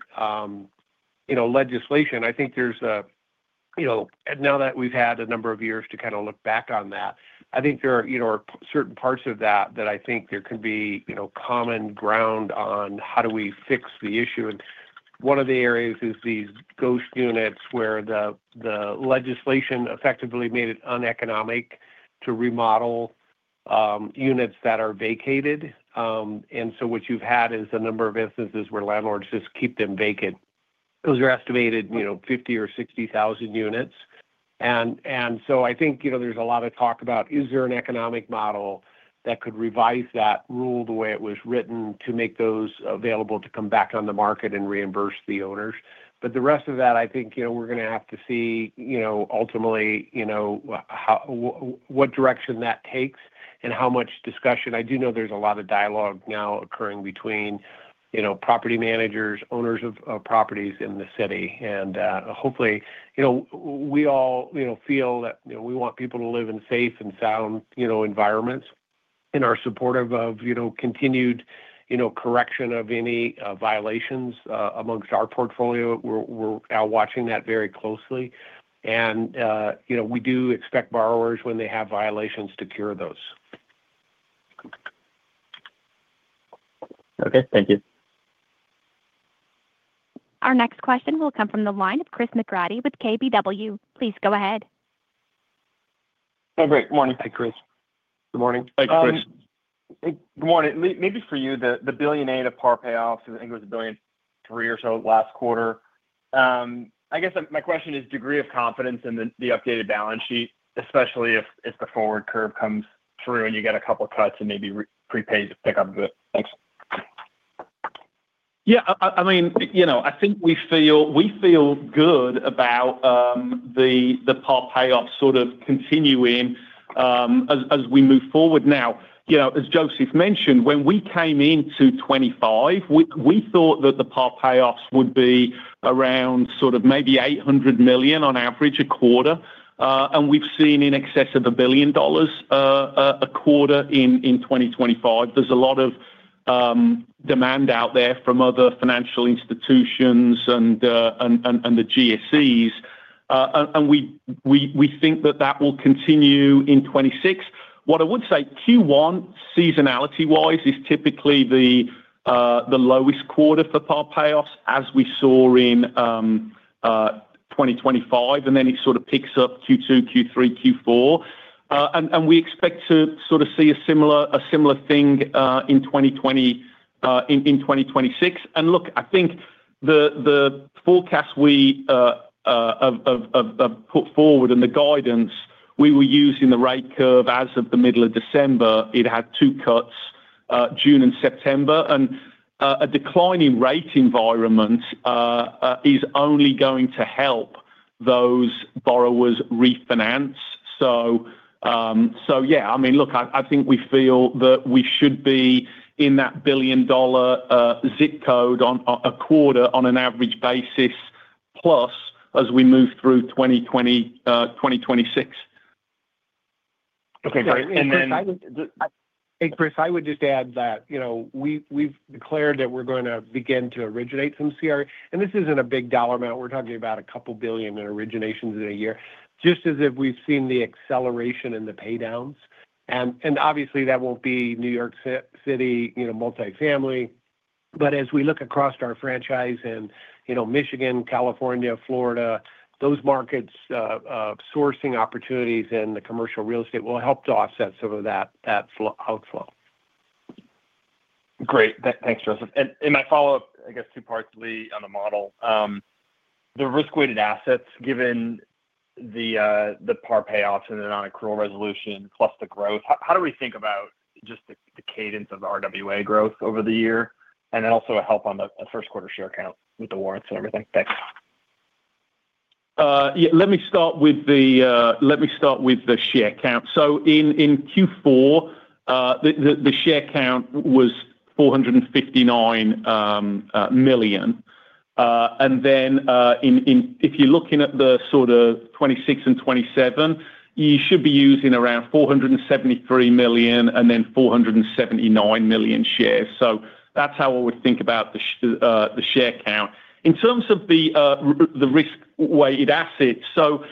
you know, legislation, I think there's a, you know, now that we've had a number of years to kind of look back on that, I think there are, you know, certain parts of that, that I think there could be, you know, common ground on how do we fix the issue. And one of the areas is these ghost units, where the legislation effectively made it uneconomic to remodel units that are vacated. And so what you've had is a number of instances where landlords just keep them vacant. Those are estimated, you know, 50 or 60 thousand units. I think, you know, there's a lot of talk about, is there an economic model that could revise that rule the way it was written, to make those available to come back on the market and reimburse the owners? But the rest of that, I think, you know, we're gonna have to see, you know, ultimately, you know, what direction that takes and how much discussion. I do know there's a lot of dialogue now occurring between, you know, property managers, owners of properties in the city. And hopefully, you know, we all, you know, feel that, you know, we want people to live in safe and sound, you know, environments and are supportive of, you know, continued, you know, correction of any violations amongst our portfolio. We're out watching that very closely, and, you know, we do expect borrowers, when they have violations, to cure those. Okay, thank you. .Our next question will come from the line of Chris McGratty with KBW. Please go ahead. Oh, great morning. Hi, Chris. Good morning. Hi, Chris. Good morning. Maybe for you, the $1.8 billion of par payoffs, I think it was $1.3 billion or so last quarter. I guess my question is degree of confidence in the updated balance sheet, especially if the forward curve comes through and you get a couple of cuts and maybe prepay to pick up. Good. Thanks. Yeah, I mean, you know, I think we feel, we feel good about the par payoffs sort of continuing as we move forward. Now, you know, as Joseph mentioned, when we came into 2025, we thought that the par payoffs would be around sort of maybe $800 million on average a quarter, and we've seen in excess of $1 billion a quarter in 2025. There's a lot of demand out there from other financial institutions and the GSEs. And we think that that will continue in 2026. What I would say, Q1, seasonality-wise, is typically the lowest quarter for par payoffs, as we saw in 2025, and then it sort of picks up Q2, Q3, Q4. We expect to sort of see a similar thing in 2025, in 2026. And look, I think the forecast we put forward and the guidance we were using the rate curve as of the middle of December, it had two cuts, June and September. And a declining rate environment is only going to help those borrowers refinance. So yeah, I mean, look, I think we feel that we should be in that billion-dollar zip code on a quarterly average basis, plus as we move through 2025, 2026. Okay, great. And then [crosstalk] Hey, Chris, I would just add that, you know, we've, we've declared that we're going to begin to originate some CRE. And this isn't a big dollar amount. We're talking about $2 billion in originations in a year. Just as if we've seen the acceleration in the paydowns, and, and obviously that won't be New York City, you know, multifamily. But as we look across our franchise and, you know, Michigan, California, Florida, those markets, sourcing opportunities in the commercial real estate will help to offset some of that, that outflow. Great. Thanks, Joseph. And my follow-up, I guess, two parts, Lee, on the model. The risk-weighted assets, given the par payoffs and the non-accrual resolution, plus the growth, how do we think about just the cadence of the RWA growth over the year? And then also a help on the first quarter share count with the warrants and everything. Thanks. Yeah, let me start with the share count. So in Q4, the share count was 459 million. And then if you're looking at the sort of 2026 and 2027, you should be using around 473 million, and then 479 million shares. So that's how I would think about the share count. In terms of the risk-weighted assets, so,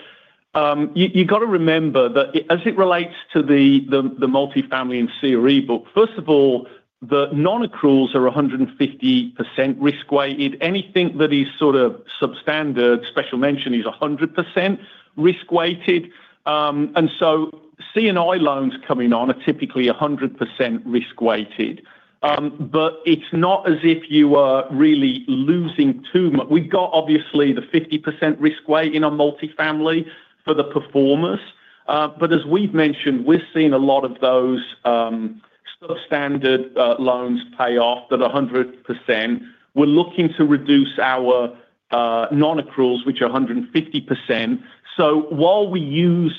you got to remember that as it relates to the multifamily and CRE book, first of all, the non-accruals are 150% risk-weighted. Anything that is sort of substandard, special mention, is 100% risk-weighted. And so C&I loans coming on are typically 100% risk-weighted. It's not as if you are really losing too much. We've got, obviously, the 50% risk weight in a multifamily for the performers. But as we've mentioned, we've seen a lot of those, substandard, loans pay off at 100%. We're looking to reduce our, non-accruals, which are 150%. So while we use,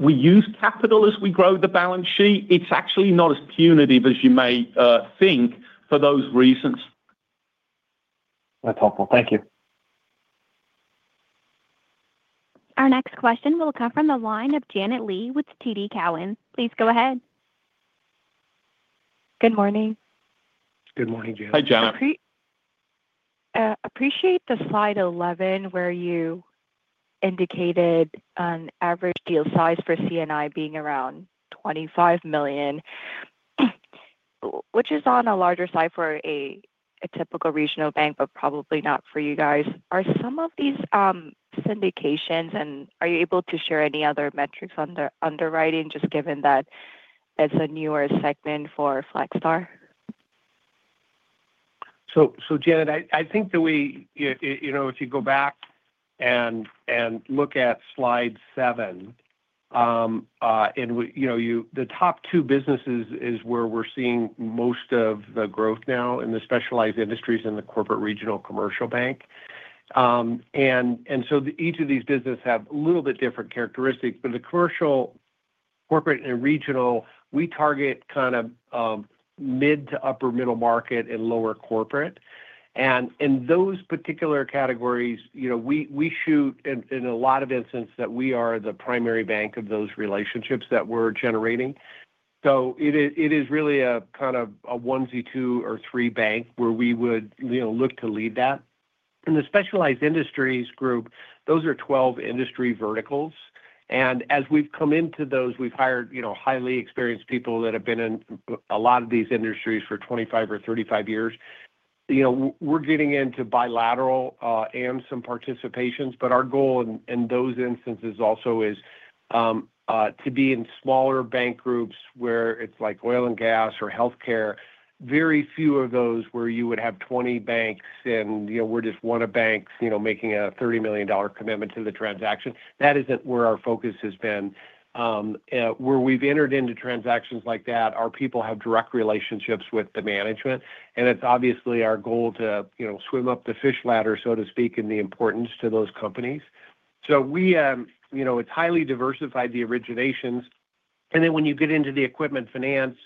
we use capital as we grow the balance sheet, it's actually not as punitive as you may, think for those reasons. That's helpful. Thank you. Our next question will come from the line of Janet Lee with TD Cowen. Please go ahead. Good morning. Good morning, Janet. Hi, Janet. Appreciate the slide 11, where you indicated an average deal size for C&I being around $25 million, which is on a larger side for a typical regional bank, but probably not for you guys. Are some of these syndications, and are you able to share any other metrics underwriting, just given that it's a newer segment for Flagstar? So, Janet, I think that we, you know, if you go back and look at slide seven, you know, the top two businesses is where we're seeing most of the growth now, in the specialized industries and the corporate regional commercial bank. So each of these business have a little bit different characteristics, but the commercial, corporate, and regional, we target kind of mid to upper middle market and lower corporate. And in those particular categories, you know, we shoot for in a lot of instances that we are the primary bank of those relationships that we're generating. So it is really a kind of a one, two, or three bank where we would, you know, look to lead that. In the specialized industries group, those are 12 industry verticals. As we've come into those, we've hired, you know, highly experienced people that have been in a lot of these industries for 25 or 35 years. You know, we're getting into bilateral and some participations, but our goal in those instances also is to be in smaller bank groups where it's like oil and gas or healthcare. Very few of those where you would have 20 banks and, you know, we're just one of banks, you know, making a $30 million commitment to the transaction. That isn't where our focus has been. Where we've entered into transactions like that, our people have direct relationships with the management, and it's obviously our goal to, you know, swim up the fish ladder, so to speak, in the importance to those companies. So we, you know, it's highly diversified the originations. Then when you get into the equipment finance,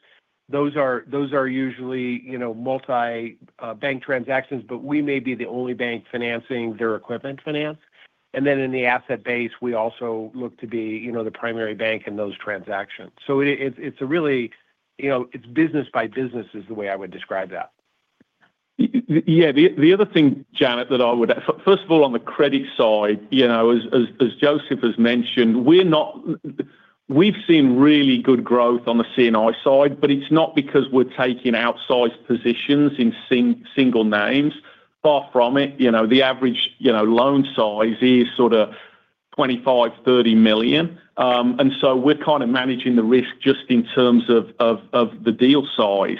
those are usually, you know, multi-bank transactions, but we may be the only bank financing their equipment finance. And then in the asset-based, we also look to be, you know, the primary bank in those transactions. So it's a really, you know, it's business by business, is the way I would describe that. Yeah, the other thing, Janet, that I would first of all, on the credit side, you know, as Joseph has mentioned, we're not we've seen really good growth on the C&I side, but it's not because we're taking outsized positions in single names. Far from it, you know, the average, you know, loan size is sort of $25 million-$30 million. And so we're kind of managing the risk just in terms of the deal size.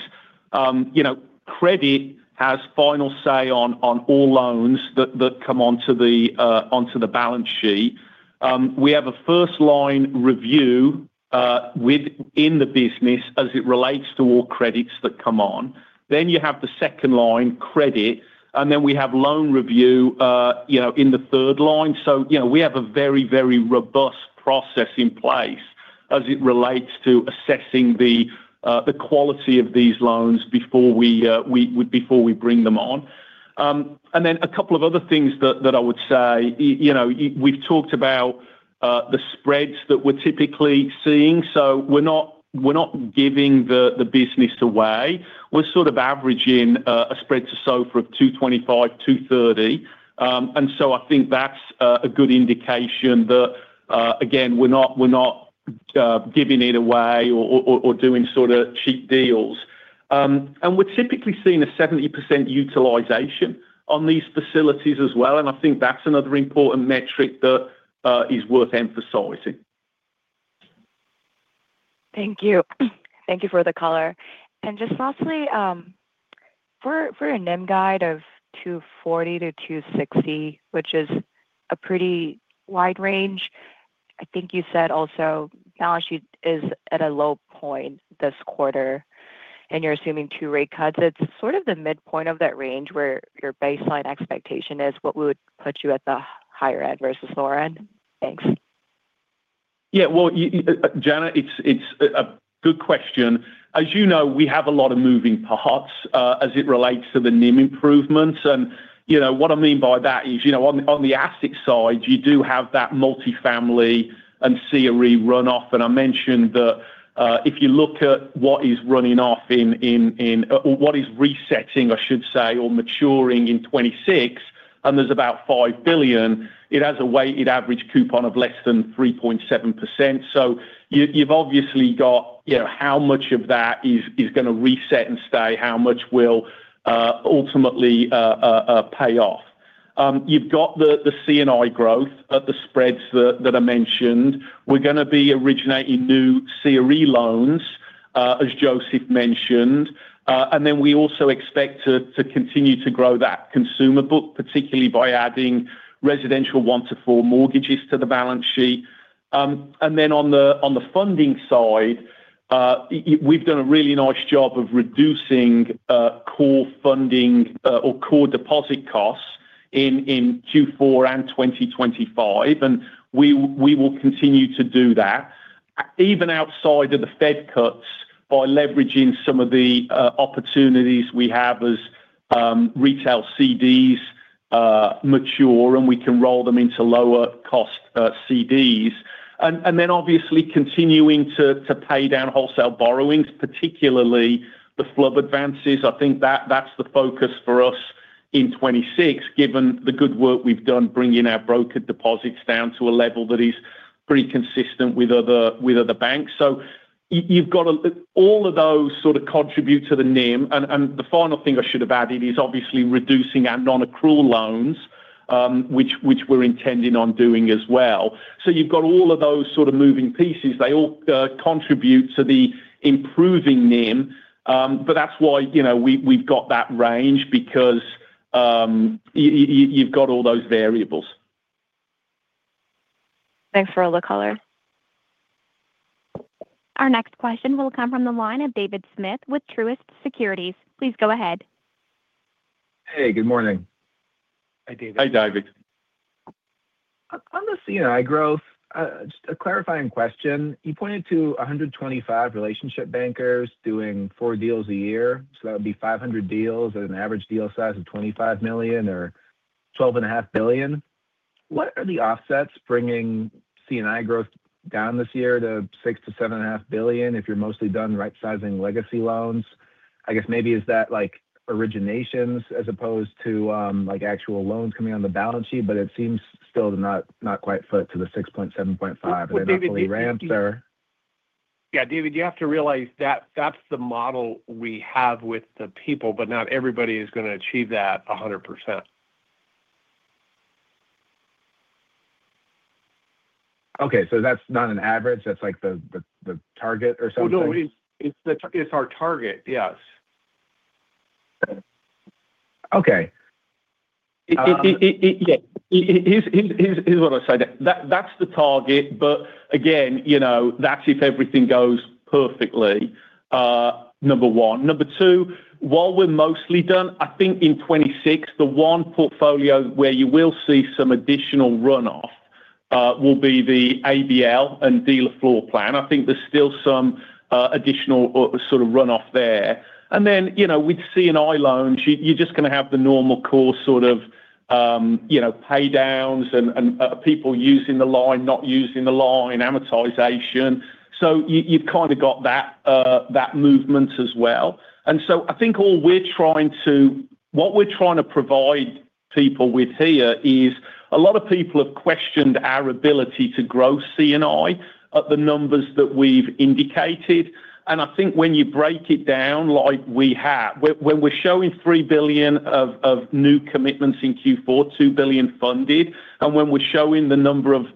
You know, credit has final say on all loans that come onto the balance sheet. We have a first line review within the business as it relates to all credits that come on. Then you have the second line, credit, and then we have loan review in the third line. We have a very, very robust process in place as it relates to assessing the quality of these loans before we bring them on. And then a couple of other things that I would say. You know, we've talked about the spreads that we're typically seeing, so we're not, we're not giving the business away. We're sort of averaging a spread to SOFR of 2.25, 2.30. And so I think that's a good indication that, again, we're not, we're not giving it away or doing sort of cheap deals. And we're typically seeing a 70% utilization on these facilities as well, and I think that's another important metric that is worth emphasizing. Thank you. Thank you for the color. Just lastly, for a NIM guide of 2.40%-2.60%, which is a pretty wide range, I think you said also balance sheet is at a low point this quarter, and you're assuming two rate cuts. It's sort of the midpoint of that range where your baseline expectation is, what would put you at the higher end versus lower end? Thanks. Yeah, well, Janet, it's a good question. As you know, we have a lot of moving parts as it relates to the NIM improvements. And, you know, what I mean by that is, you know, on the asset side, you do have that multifamily and CRE runoff. And I mentioned that, if you look at what is running off or what is resetting, I should say, or maturing in 2026, and there's about $5 billion, it has a weighted average coupon of less than 3.7%. So you, you've obviously got, you know, how much of that is going to reset and stay? How much will ultimately pay off? You've got the C&I growth at the spreads that I mentioned. We're going to be originating new CRE loans, as Joseph mentioned. And then we also expect to continue to grow that consumer book, particularly by adding residential one to four mortgages to the balance sheet. And then on the funding side, we've done a really nice job of reducing core funding, or core deposit costs in Q4 and 2025, and we will continue to do that. Even outside of the Fed cuts, by leveraging some of the opportunities we have as retail CDs mature, and we can roll them into lower cost CDs. And then obviously continuing to pay down wholesale borrowings, particularly the FHLB advances. I think that's the focus for us in 2026, given the good work we've done bringing our broker deposits down to a level that is pretty consistent with other, with other banks. So you've got all of those sort of contribute to the NIM. And the final thing I should have added is obviously reducing our non-accrual loans, which we're intending on doing as well. So you've got all of those sort of moving pieces. They all contribute to the improving NIM, but that's why, you know, we've got that range, because you've got all those variables. Thanks for all the color. Our next question will come from the line of David Smith with Truist Securities. Please go ahead. Hey, good morning. Hi, David. Hi, David. On the C&I growth, just a clarifying question. You pointed to 125 relationship bankers doing four deals a year, so that would be 500 deals at an average deal size of $25 million or $12.5 billion. What are the offsets bringing C&I growth down this year to $6 million-$7.5 billion if you're mostly done rightsizing legacy loans? I guess maybe is that like originations as opposed to, like actual loans coming on the balance sheet? But it seems still not quite foot to the 6, 7.5 [crosstalk] ramps there. Yeah, David, you have to realize that that's the model we have with the people, but not everybody is going to achieve that 100%. Okay, so that's not an average. That's like the target or something? No, it's our target, yes. Okay. Yeah, here's what I say. That's the target, but again, you know, that's if everything goes perfectly, number one. Number two, while we're mostly done, I think in 2026, the one portfolio where you will see some additional runoff will be the ABL and dealer floor plan. I think there's still some additional sort of runoff there. And then, you know, we'd see in C&I loans, you're just going to have the normal course sort of, you know, pay downs and people using the line, not using the line, amortization. So you've kind of got that movement as well. And so I think all we're trying to—what we're trying to provide people with here is a lot of people have questioned our ability to grow C&I at the numbers that we've indicated. I think when you break it down like we have, when we're showing $3 billion of new commitments in Q4, $2 billion funded, and when we're showing the number of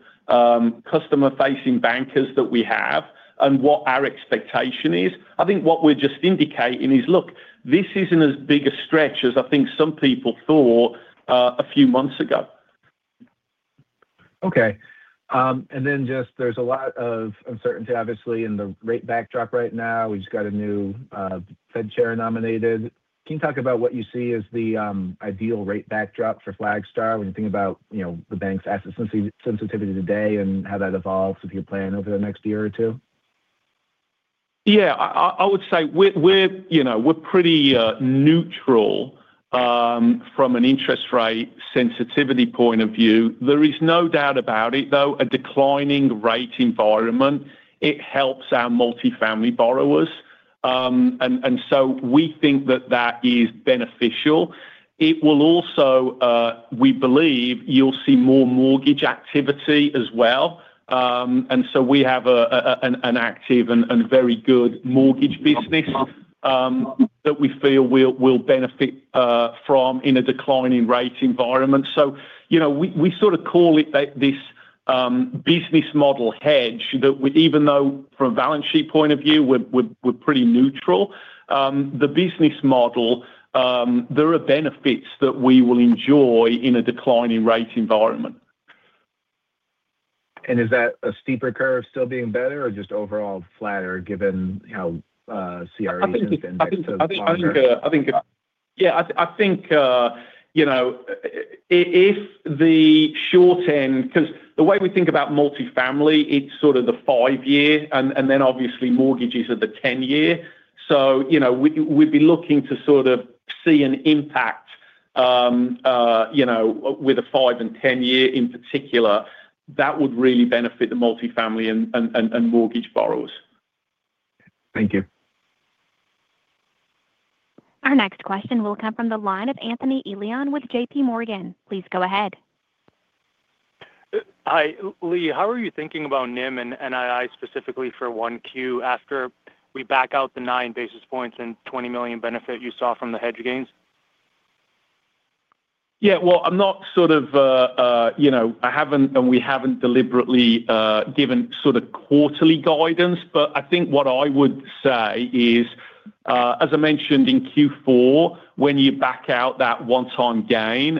customer-facing bankers that we have and what our expectation is, I think what we're just indicating is, look, this isn't as big a stretch as I think some people thought a few months ago. Okay. And then just there's a lot of uncertainty, obviously, in the rate backdrop right now. We've just got a new Fed chair nominated. Can you talk about what you see as the ideal rate backdrop for Flagstar when you think about, you know, the bank's asset sensitivity today and how that evolves with your plan over the next year or two? Yeah, I would say we're, we're, you know, we're pretty neutral from an interest rate sensitivity point of view. There is no doubt about it, though, a declining rate environment, it helps our multifamily borrowers. And so we think that that is beneficial. It will also we believe you'll see more mortgage activity as well. And so we have an active and very good mortgage business that we feel we'll benefit from in a declining rate environment. So, you know, we sort of call it that this business model hedge, that even though from a balance sheet point of view, we're pretty neutral, the business model, there are benefits that we will enjoy in a declining rate environment. Is that a steeper curve still being better or just overall flatter, given, you know, CRAs? I think, yeah, I think, you know, if the short end because the way we think about multifamily, it's sort of the five year, and then obviously mortgages are the 10 year. So, you know, we'd be looking to sort of see an impact, you know, with a five and 10-year in particular, that would really benefit the multifamily and mortgage borrowers. Thank you. Our next question will come from the line of Anthony Elian with JPMorgan. Please go ahead. Hi, Lee. How are you thinking about NIM and NII specifically for 1Q after we back out the 9 basis points and $20 million benefit you saw from the hedge gains? Yeah, well, I'm not sort of, you know, I haven't and we haven't deliberately given sort of quarterly guidance, but I think what I would say is, as I mentioned in Q4, when you back out that one-time gain,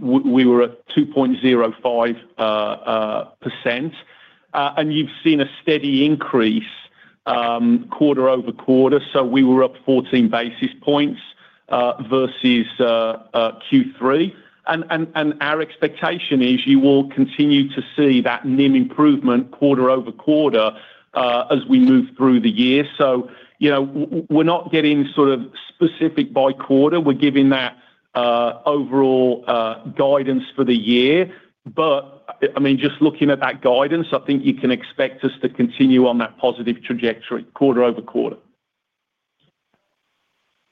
we were at 2.05%, and you've seen a steady increase, quarter-over-quarter. So we were up 14 basis points versus Q3. And our expectation is you will continue to see that NIM improvement quarter-over-quarter as we move through the year. So, you know, we're not getting sort of specific by quarter. We're giving that overall guidance for the year. But, I mean, just looking at that guidance, I think you can expect us to continue on that positive trajectory quarter-over-quarter.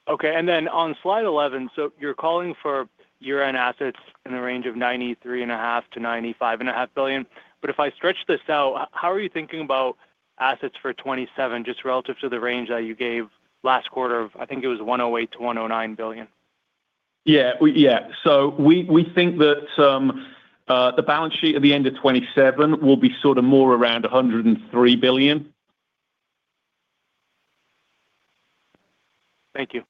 Okay. And then on slide 11, so you're calling for year-end assets in the range of $93.5 billion-$95.5 billion. But if I stretch this out, how are you thinking about assets for 2027, just relative to the range that you gave last quarter of, I think it was $108 billion-$109 billion? Yeah. Yeah. So we think that the balance sheet at the end of 2027 will be sort of more around $103 billion. Thank you.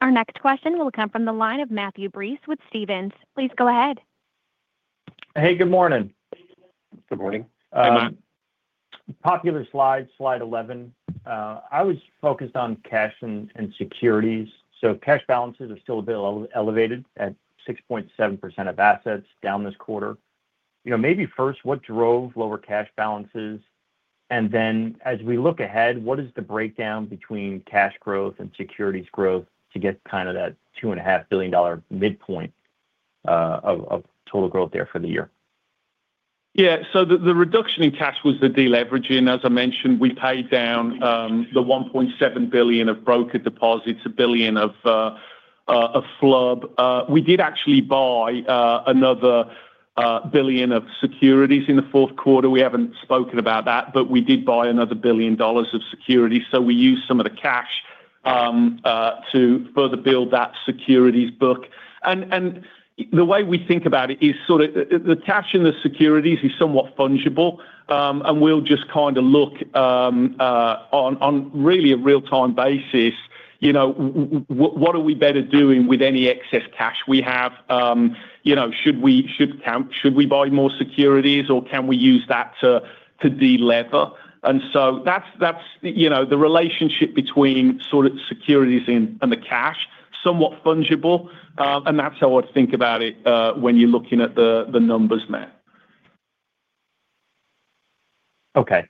Our next question will come from the line of Matthew Breese with Stephens. Please go ahead. Hey, good morning. Good morning. Popular slide, slide eleven. I was focused on cash and securities. So cash balances are still a bit elevated at 6.7% of assets down this quarter. You know, maybe first, what drove lower cash balances? And then as we look ahead, what is the breakdown between cash growth and securities growth to get kind of that $2.5 billion midpoint of total growth there for the year? Yeah, so the reduction in cash was the de-leveraging. As I mentioned, we paid down the $1.7 billion of broker deposits, $1 billion of FHLB. We did actually buy another $1 billion of securities in the fourth quarter. We haven't spoken about that, but we did buy another $1 billion of securities. So we used some of the cash to further build that securities book. The way we think about it is sort of the cash in the securities is somewhat fungible. And we'll just kind of look on really a real-time basis, you know, what are we better doing with any excess cash we have? You know, should we buy more securities, or can we use that to delever? And so that's, that's, you know, the relationship between sort of securities and, and the cash, somewhat fungible. And that's how I'd think about it, when you're looking at the, the numbers, Matt. Okay.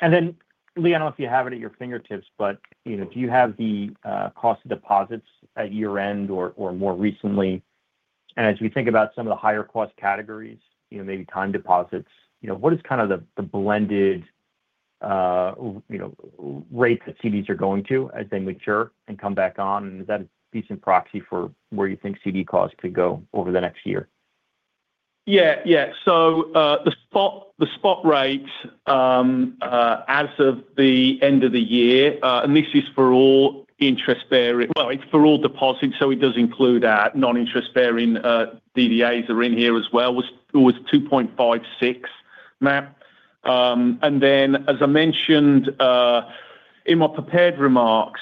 And then, Lee, I don't know if you have it at your fingertips, but, you know, do you have the cost of deposits at year-end or more recently? And as we think about some of the higher cost categories, you know, maybe time deposits, you know, what is kind of the blended, you know, rates that CDs are going to as they mature and come back on? And is that a decent proxy for where you think CD costs could go over the next year? Yeah, yeah. So, the spot, the spot rate, as of the end of the year, and this is for all interest-bearing—well, it's for all deposits, so it does include our non-interest bearing, DDAs are in here as well, was, it was 2.56, Matt. And then, as I mentioned, in my prepared remarks,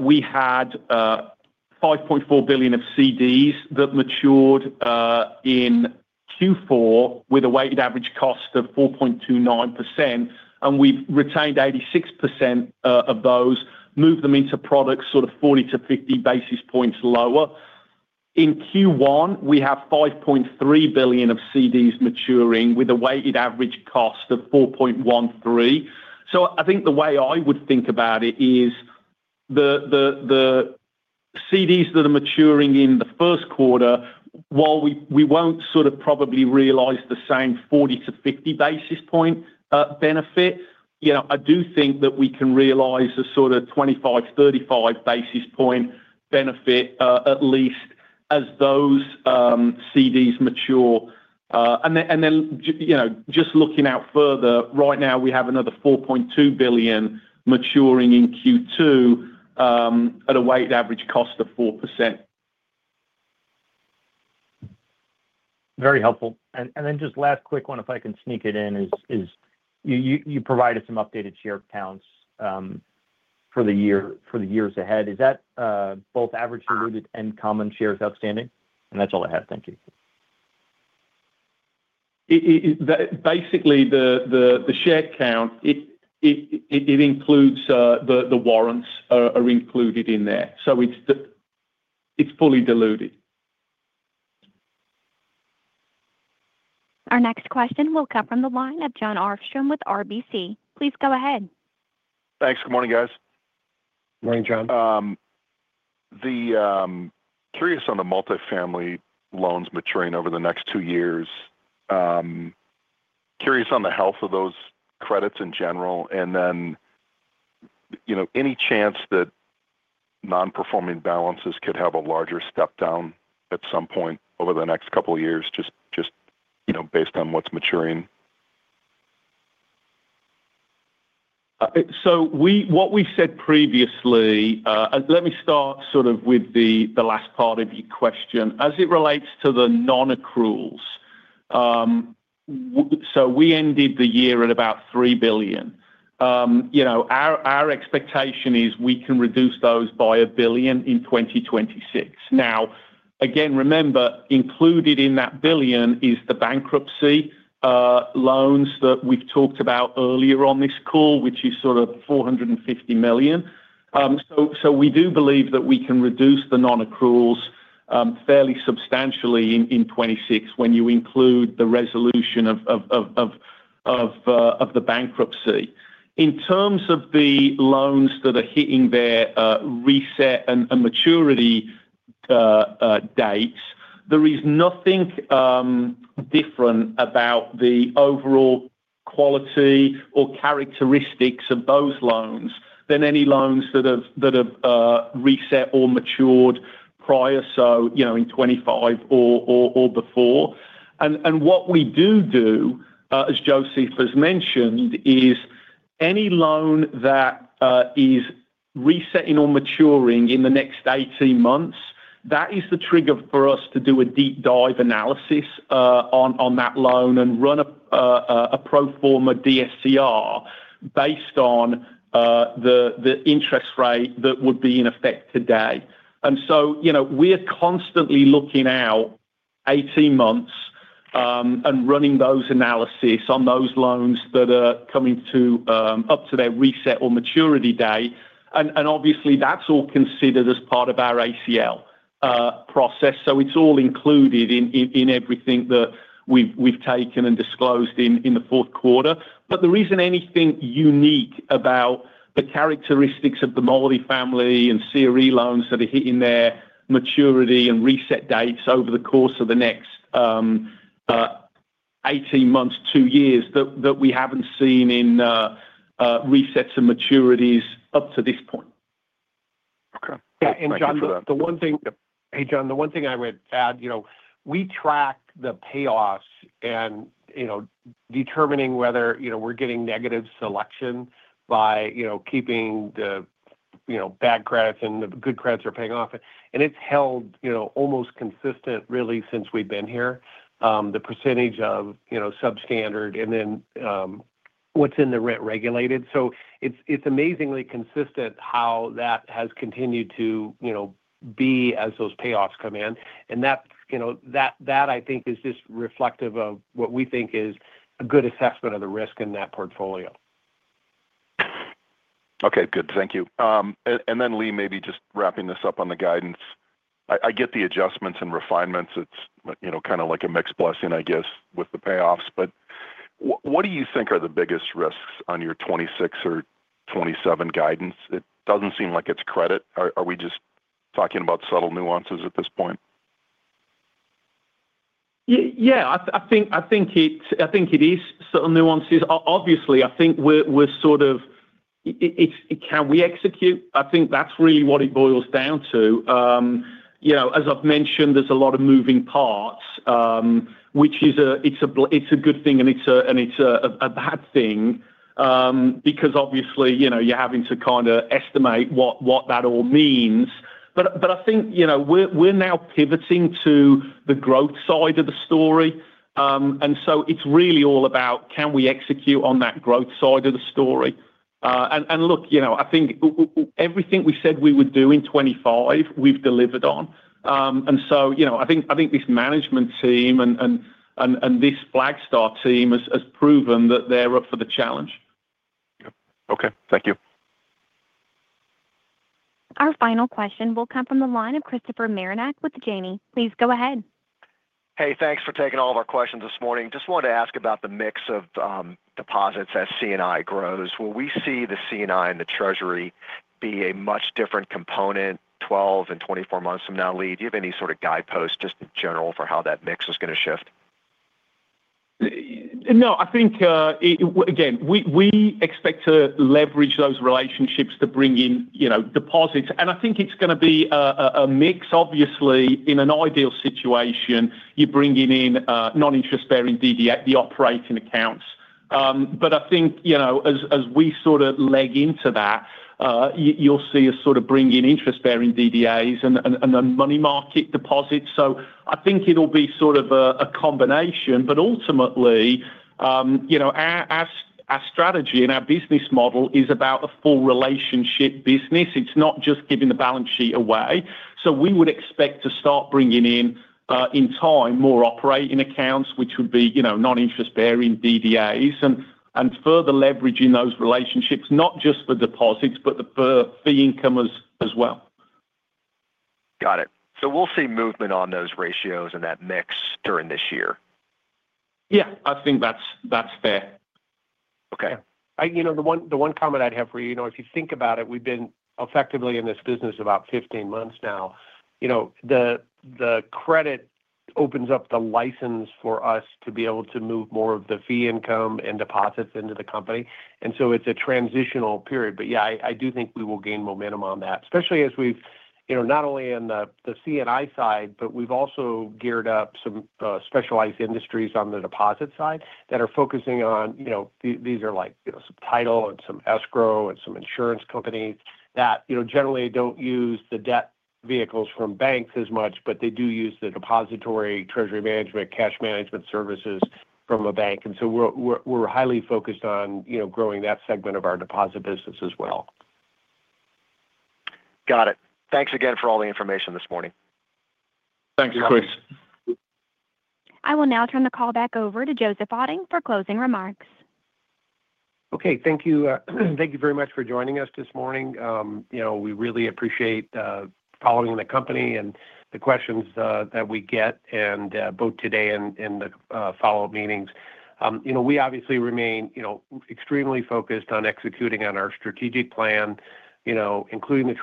we had $5.4 billion of CDs that matured in Q4 with a weighted average cost of 4.29%, and we've retained 86% of those, moved them into products sort of 40-50 basis points lower. In Q1, we have $5.3 billion of CDs maturing with a weighted average cost of 4.13. I think the way I would think about it is the CDs that are maturing in the first quarter, while we won't sort of probably realize the same 40-50 basis point benefit, you know, I do think that we can realize a sort of 25-35 basis point benefit, at least as those CDs mature. And then, you know, just looking out further, right now, we have another $4.2 billion maturing in Q2, at a weighted average cost of 4%. Very helpful. And then just last quick one, if I can sneak it in, is you provided some updated share counts for the years ahead. Is that both average diluted and common shares outstanding? And that's all I have. Thank you. Basically, the share count, it includes the warrants are included in there. So it's fully diluted. Our next question will come from the line of Jon Arfstrom with RBC. Please go ahead. Thanks. Good morning, guys. Morning, John. Curious on the multifamily loans maturing over the next two years. Curious on the health of those credits in general, and then, you know, any chance that non-performing balances could have a larger step down at some point over the next couple of years, just, just, you know, based on what's maturing? What we said previously. Let me start sort of with the last part of your question. As it relates to the non-accruals, so we ended the year at about $3 billion. You know, our expectation is we can reduce those by $1 billion in 2026. Now, again, remember, included in that $1 billion is the bankruptcy loans that we've talked about earlier on this call, which is sort of $450 million. So we do believe that we can reduce the non-accruals fairly substantially in 2026 when you include the resolution of the bankruptcy. In terms of the loans that are hitting their reset and maturity dates, there is nothing different about the overall quality or characteristics of those loans than any loans that have reset or matured prior, so you know, in 2025 or before. And what we do, as Joseph has mentioned, is any loan that is resetting or maturing in the next 18 months, that is the trigger for us to do a deep dive analysis on that loan and run a pro forma DSCR based on the interest rate that would be in effect today. And so, you know, we're constantly looking out 18 months and running those analysis on those loans that are coming up to their reset or maturity date. Obviously, that's all considered as part of our ACL process, so it's all included in everything that we've taken and disclosed in the fourth quarter. But there isn't anything unique about the characteristics of the multifamily and CRE loans that are hitting their maturity and reset dates over the course of the next 18 months, two years, that we haven't seen in resets and maturities up to this point. Okay [crosstalk] Yeah, and John, the one thing- Yep. Hey, John, the one thing I would add, you know, we track the payoffs and, you know, determining whether, you know, we're getting negative selection by, you know, keeping the, you know, bad credits, and the good credits are paying off. And it's held, you know, almost consistent really since we've been here, the percentage of, you know, substandard and then what's in the rent-regulated. So it's, it's amazingly consistent how that has continued to, you know, be as those payoffs come in. And that, you know, that, that I think is just reflective of what we think is a good assessment of the risk in that portfolio. Okay, good. Thank you. And then, Lee, maybe just wrapping this up on the guidance. I get the adjustments and refinements. It's, you know, kinda like a mixed blessing, I guess, with the payoffs, but what do you think are the biggest risks on your 2026 or 2027 guidance? It doesn't seem like it's credit. Are we just talking about subtle nuances at this point? Yeah. I think it is subtle nuances. Obviously, I think we're sort of... It's can we execute? I think that's really what it boils down to. You know, as I've mentioned, there's a lot of moving parts, which is a good thing, and it's a bad thing, because obviously, you know, you're having to kinda estimate what that all means. But I think, you know, we're now pivoting to the growth side of the story. And so it's really all about can we execute on that growth side of the story? And look, you know, I think everything we said we would do in 2025, we've delivered on. And so, you know, I think this management team and this Flagstar team has proven that they're up for the challenge. Yep. Okay, thank you. Our final question will come from the line of Christopher Marinac with Janney. Please go ahead. Hey, thanks for taking all of our questions this morning. Just wanted to ask about the mix of deposits as C&I grows. Will we see the C&I and the Treasury be a much different component 12 and 24 months from now, Lee? Do you have any sort of guidepost, just in general, for how that mix is gonna shift? Yeah, no, I think it. Again, we expect to leverage those relationships to bring in, you know, deposits. And I think it's gonna be a mix. Obviously, in an ideal situation, you're bringing in non-interest-bearing DDAs, the operating accounts. But I think, you know, as we sort of leg into that, you'll see us sort of bring in interest-bearing DDAs and then money market deposits. So I think it'll be sort of a combination. But ultimately, you know, our strategy and our business model is about a full relationship business. It's not just giving the balance sheet away. So we would expect to start bringing in, in time, more operating accounts, which would be, you know, non-interest-bearing DDAs and further leveraging those relationships, not just for deposits, but for fee income as well. Got it. So we'll see movement on those ratios and that mix during this year? Yeah, I think that's, that's fair. Okay. You know, the one, the one comment I'd have for you, you know, if you think about it, we've been effectively in this business about 15 months now. You know, the credit opens up the license for us to be able to move more of the fee income and deposits into the company, and so it's a transitional period. But yeah, I, I do think we will gain momentum on that, especially as we've, you know, not only in the C&I side, We've also geared up some specialized industries on the deposit side that are focusing on, you know, these are like, you know, some title and some escrow and some insurance companies that, you know, generally don't use the debt vehicles from banks as much, but they do use the depository treasury management, cash management services from a bank. So we're highly focused on, you know, growing that segment of our deposit business as well. Got it. Thanks again for all the information this morning. Thank you, Chris. I will now turn the call back over to Joseph Otting for closing remarks. Okay, thank you. Thank you very much for joining us this morning. You know, we really appreciate following the company and the questions that we get, and both today and the follow-up meetings. You know, we obviously remain, you know, extremely focused on executing on our strategic plan, you know, including the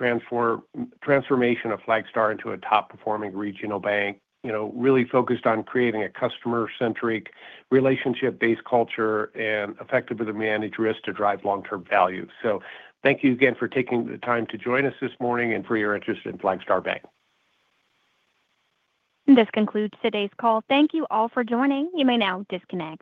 transformation of Flagstar into a top-performing regional bank. You know, really focused on creating a customer-centric, relationship-based culture and effectively manage risk to drive long-term value. So thank you again for taking the time to join us this morning and for your interest in Flagstar Bank. This concludes today's call. Thank you all for joining. You may now disconnect.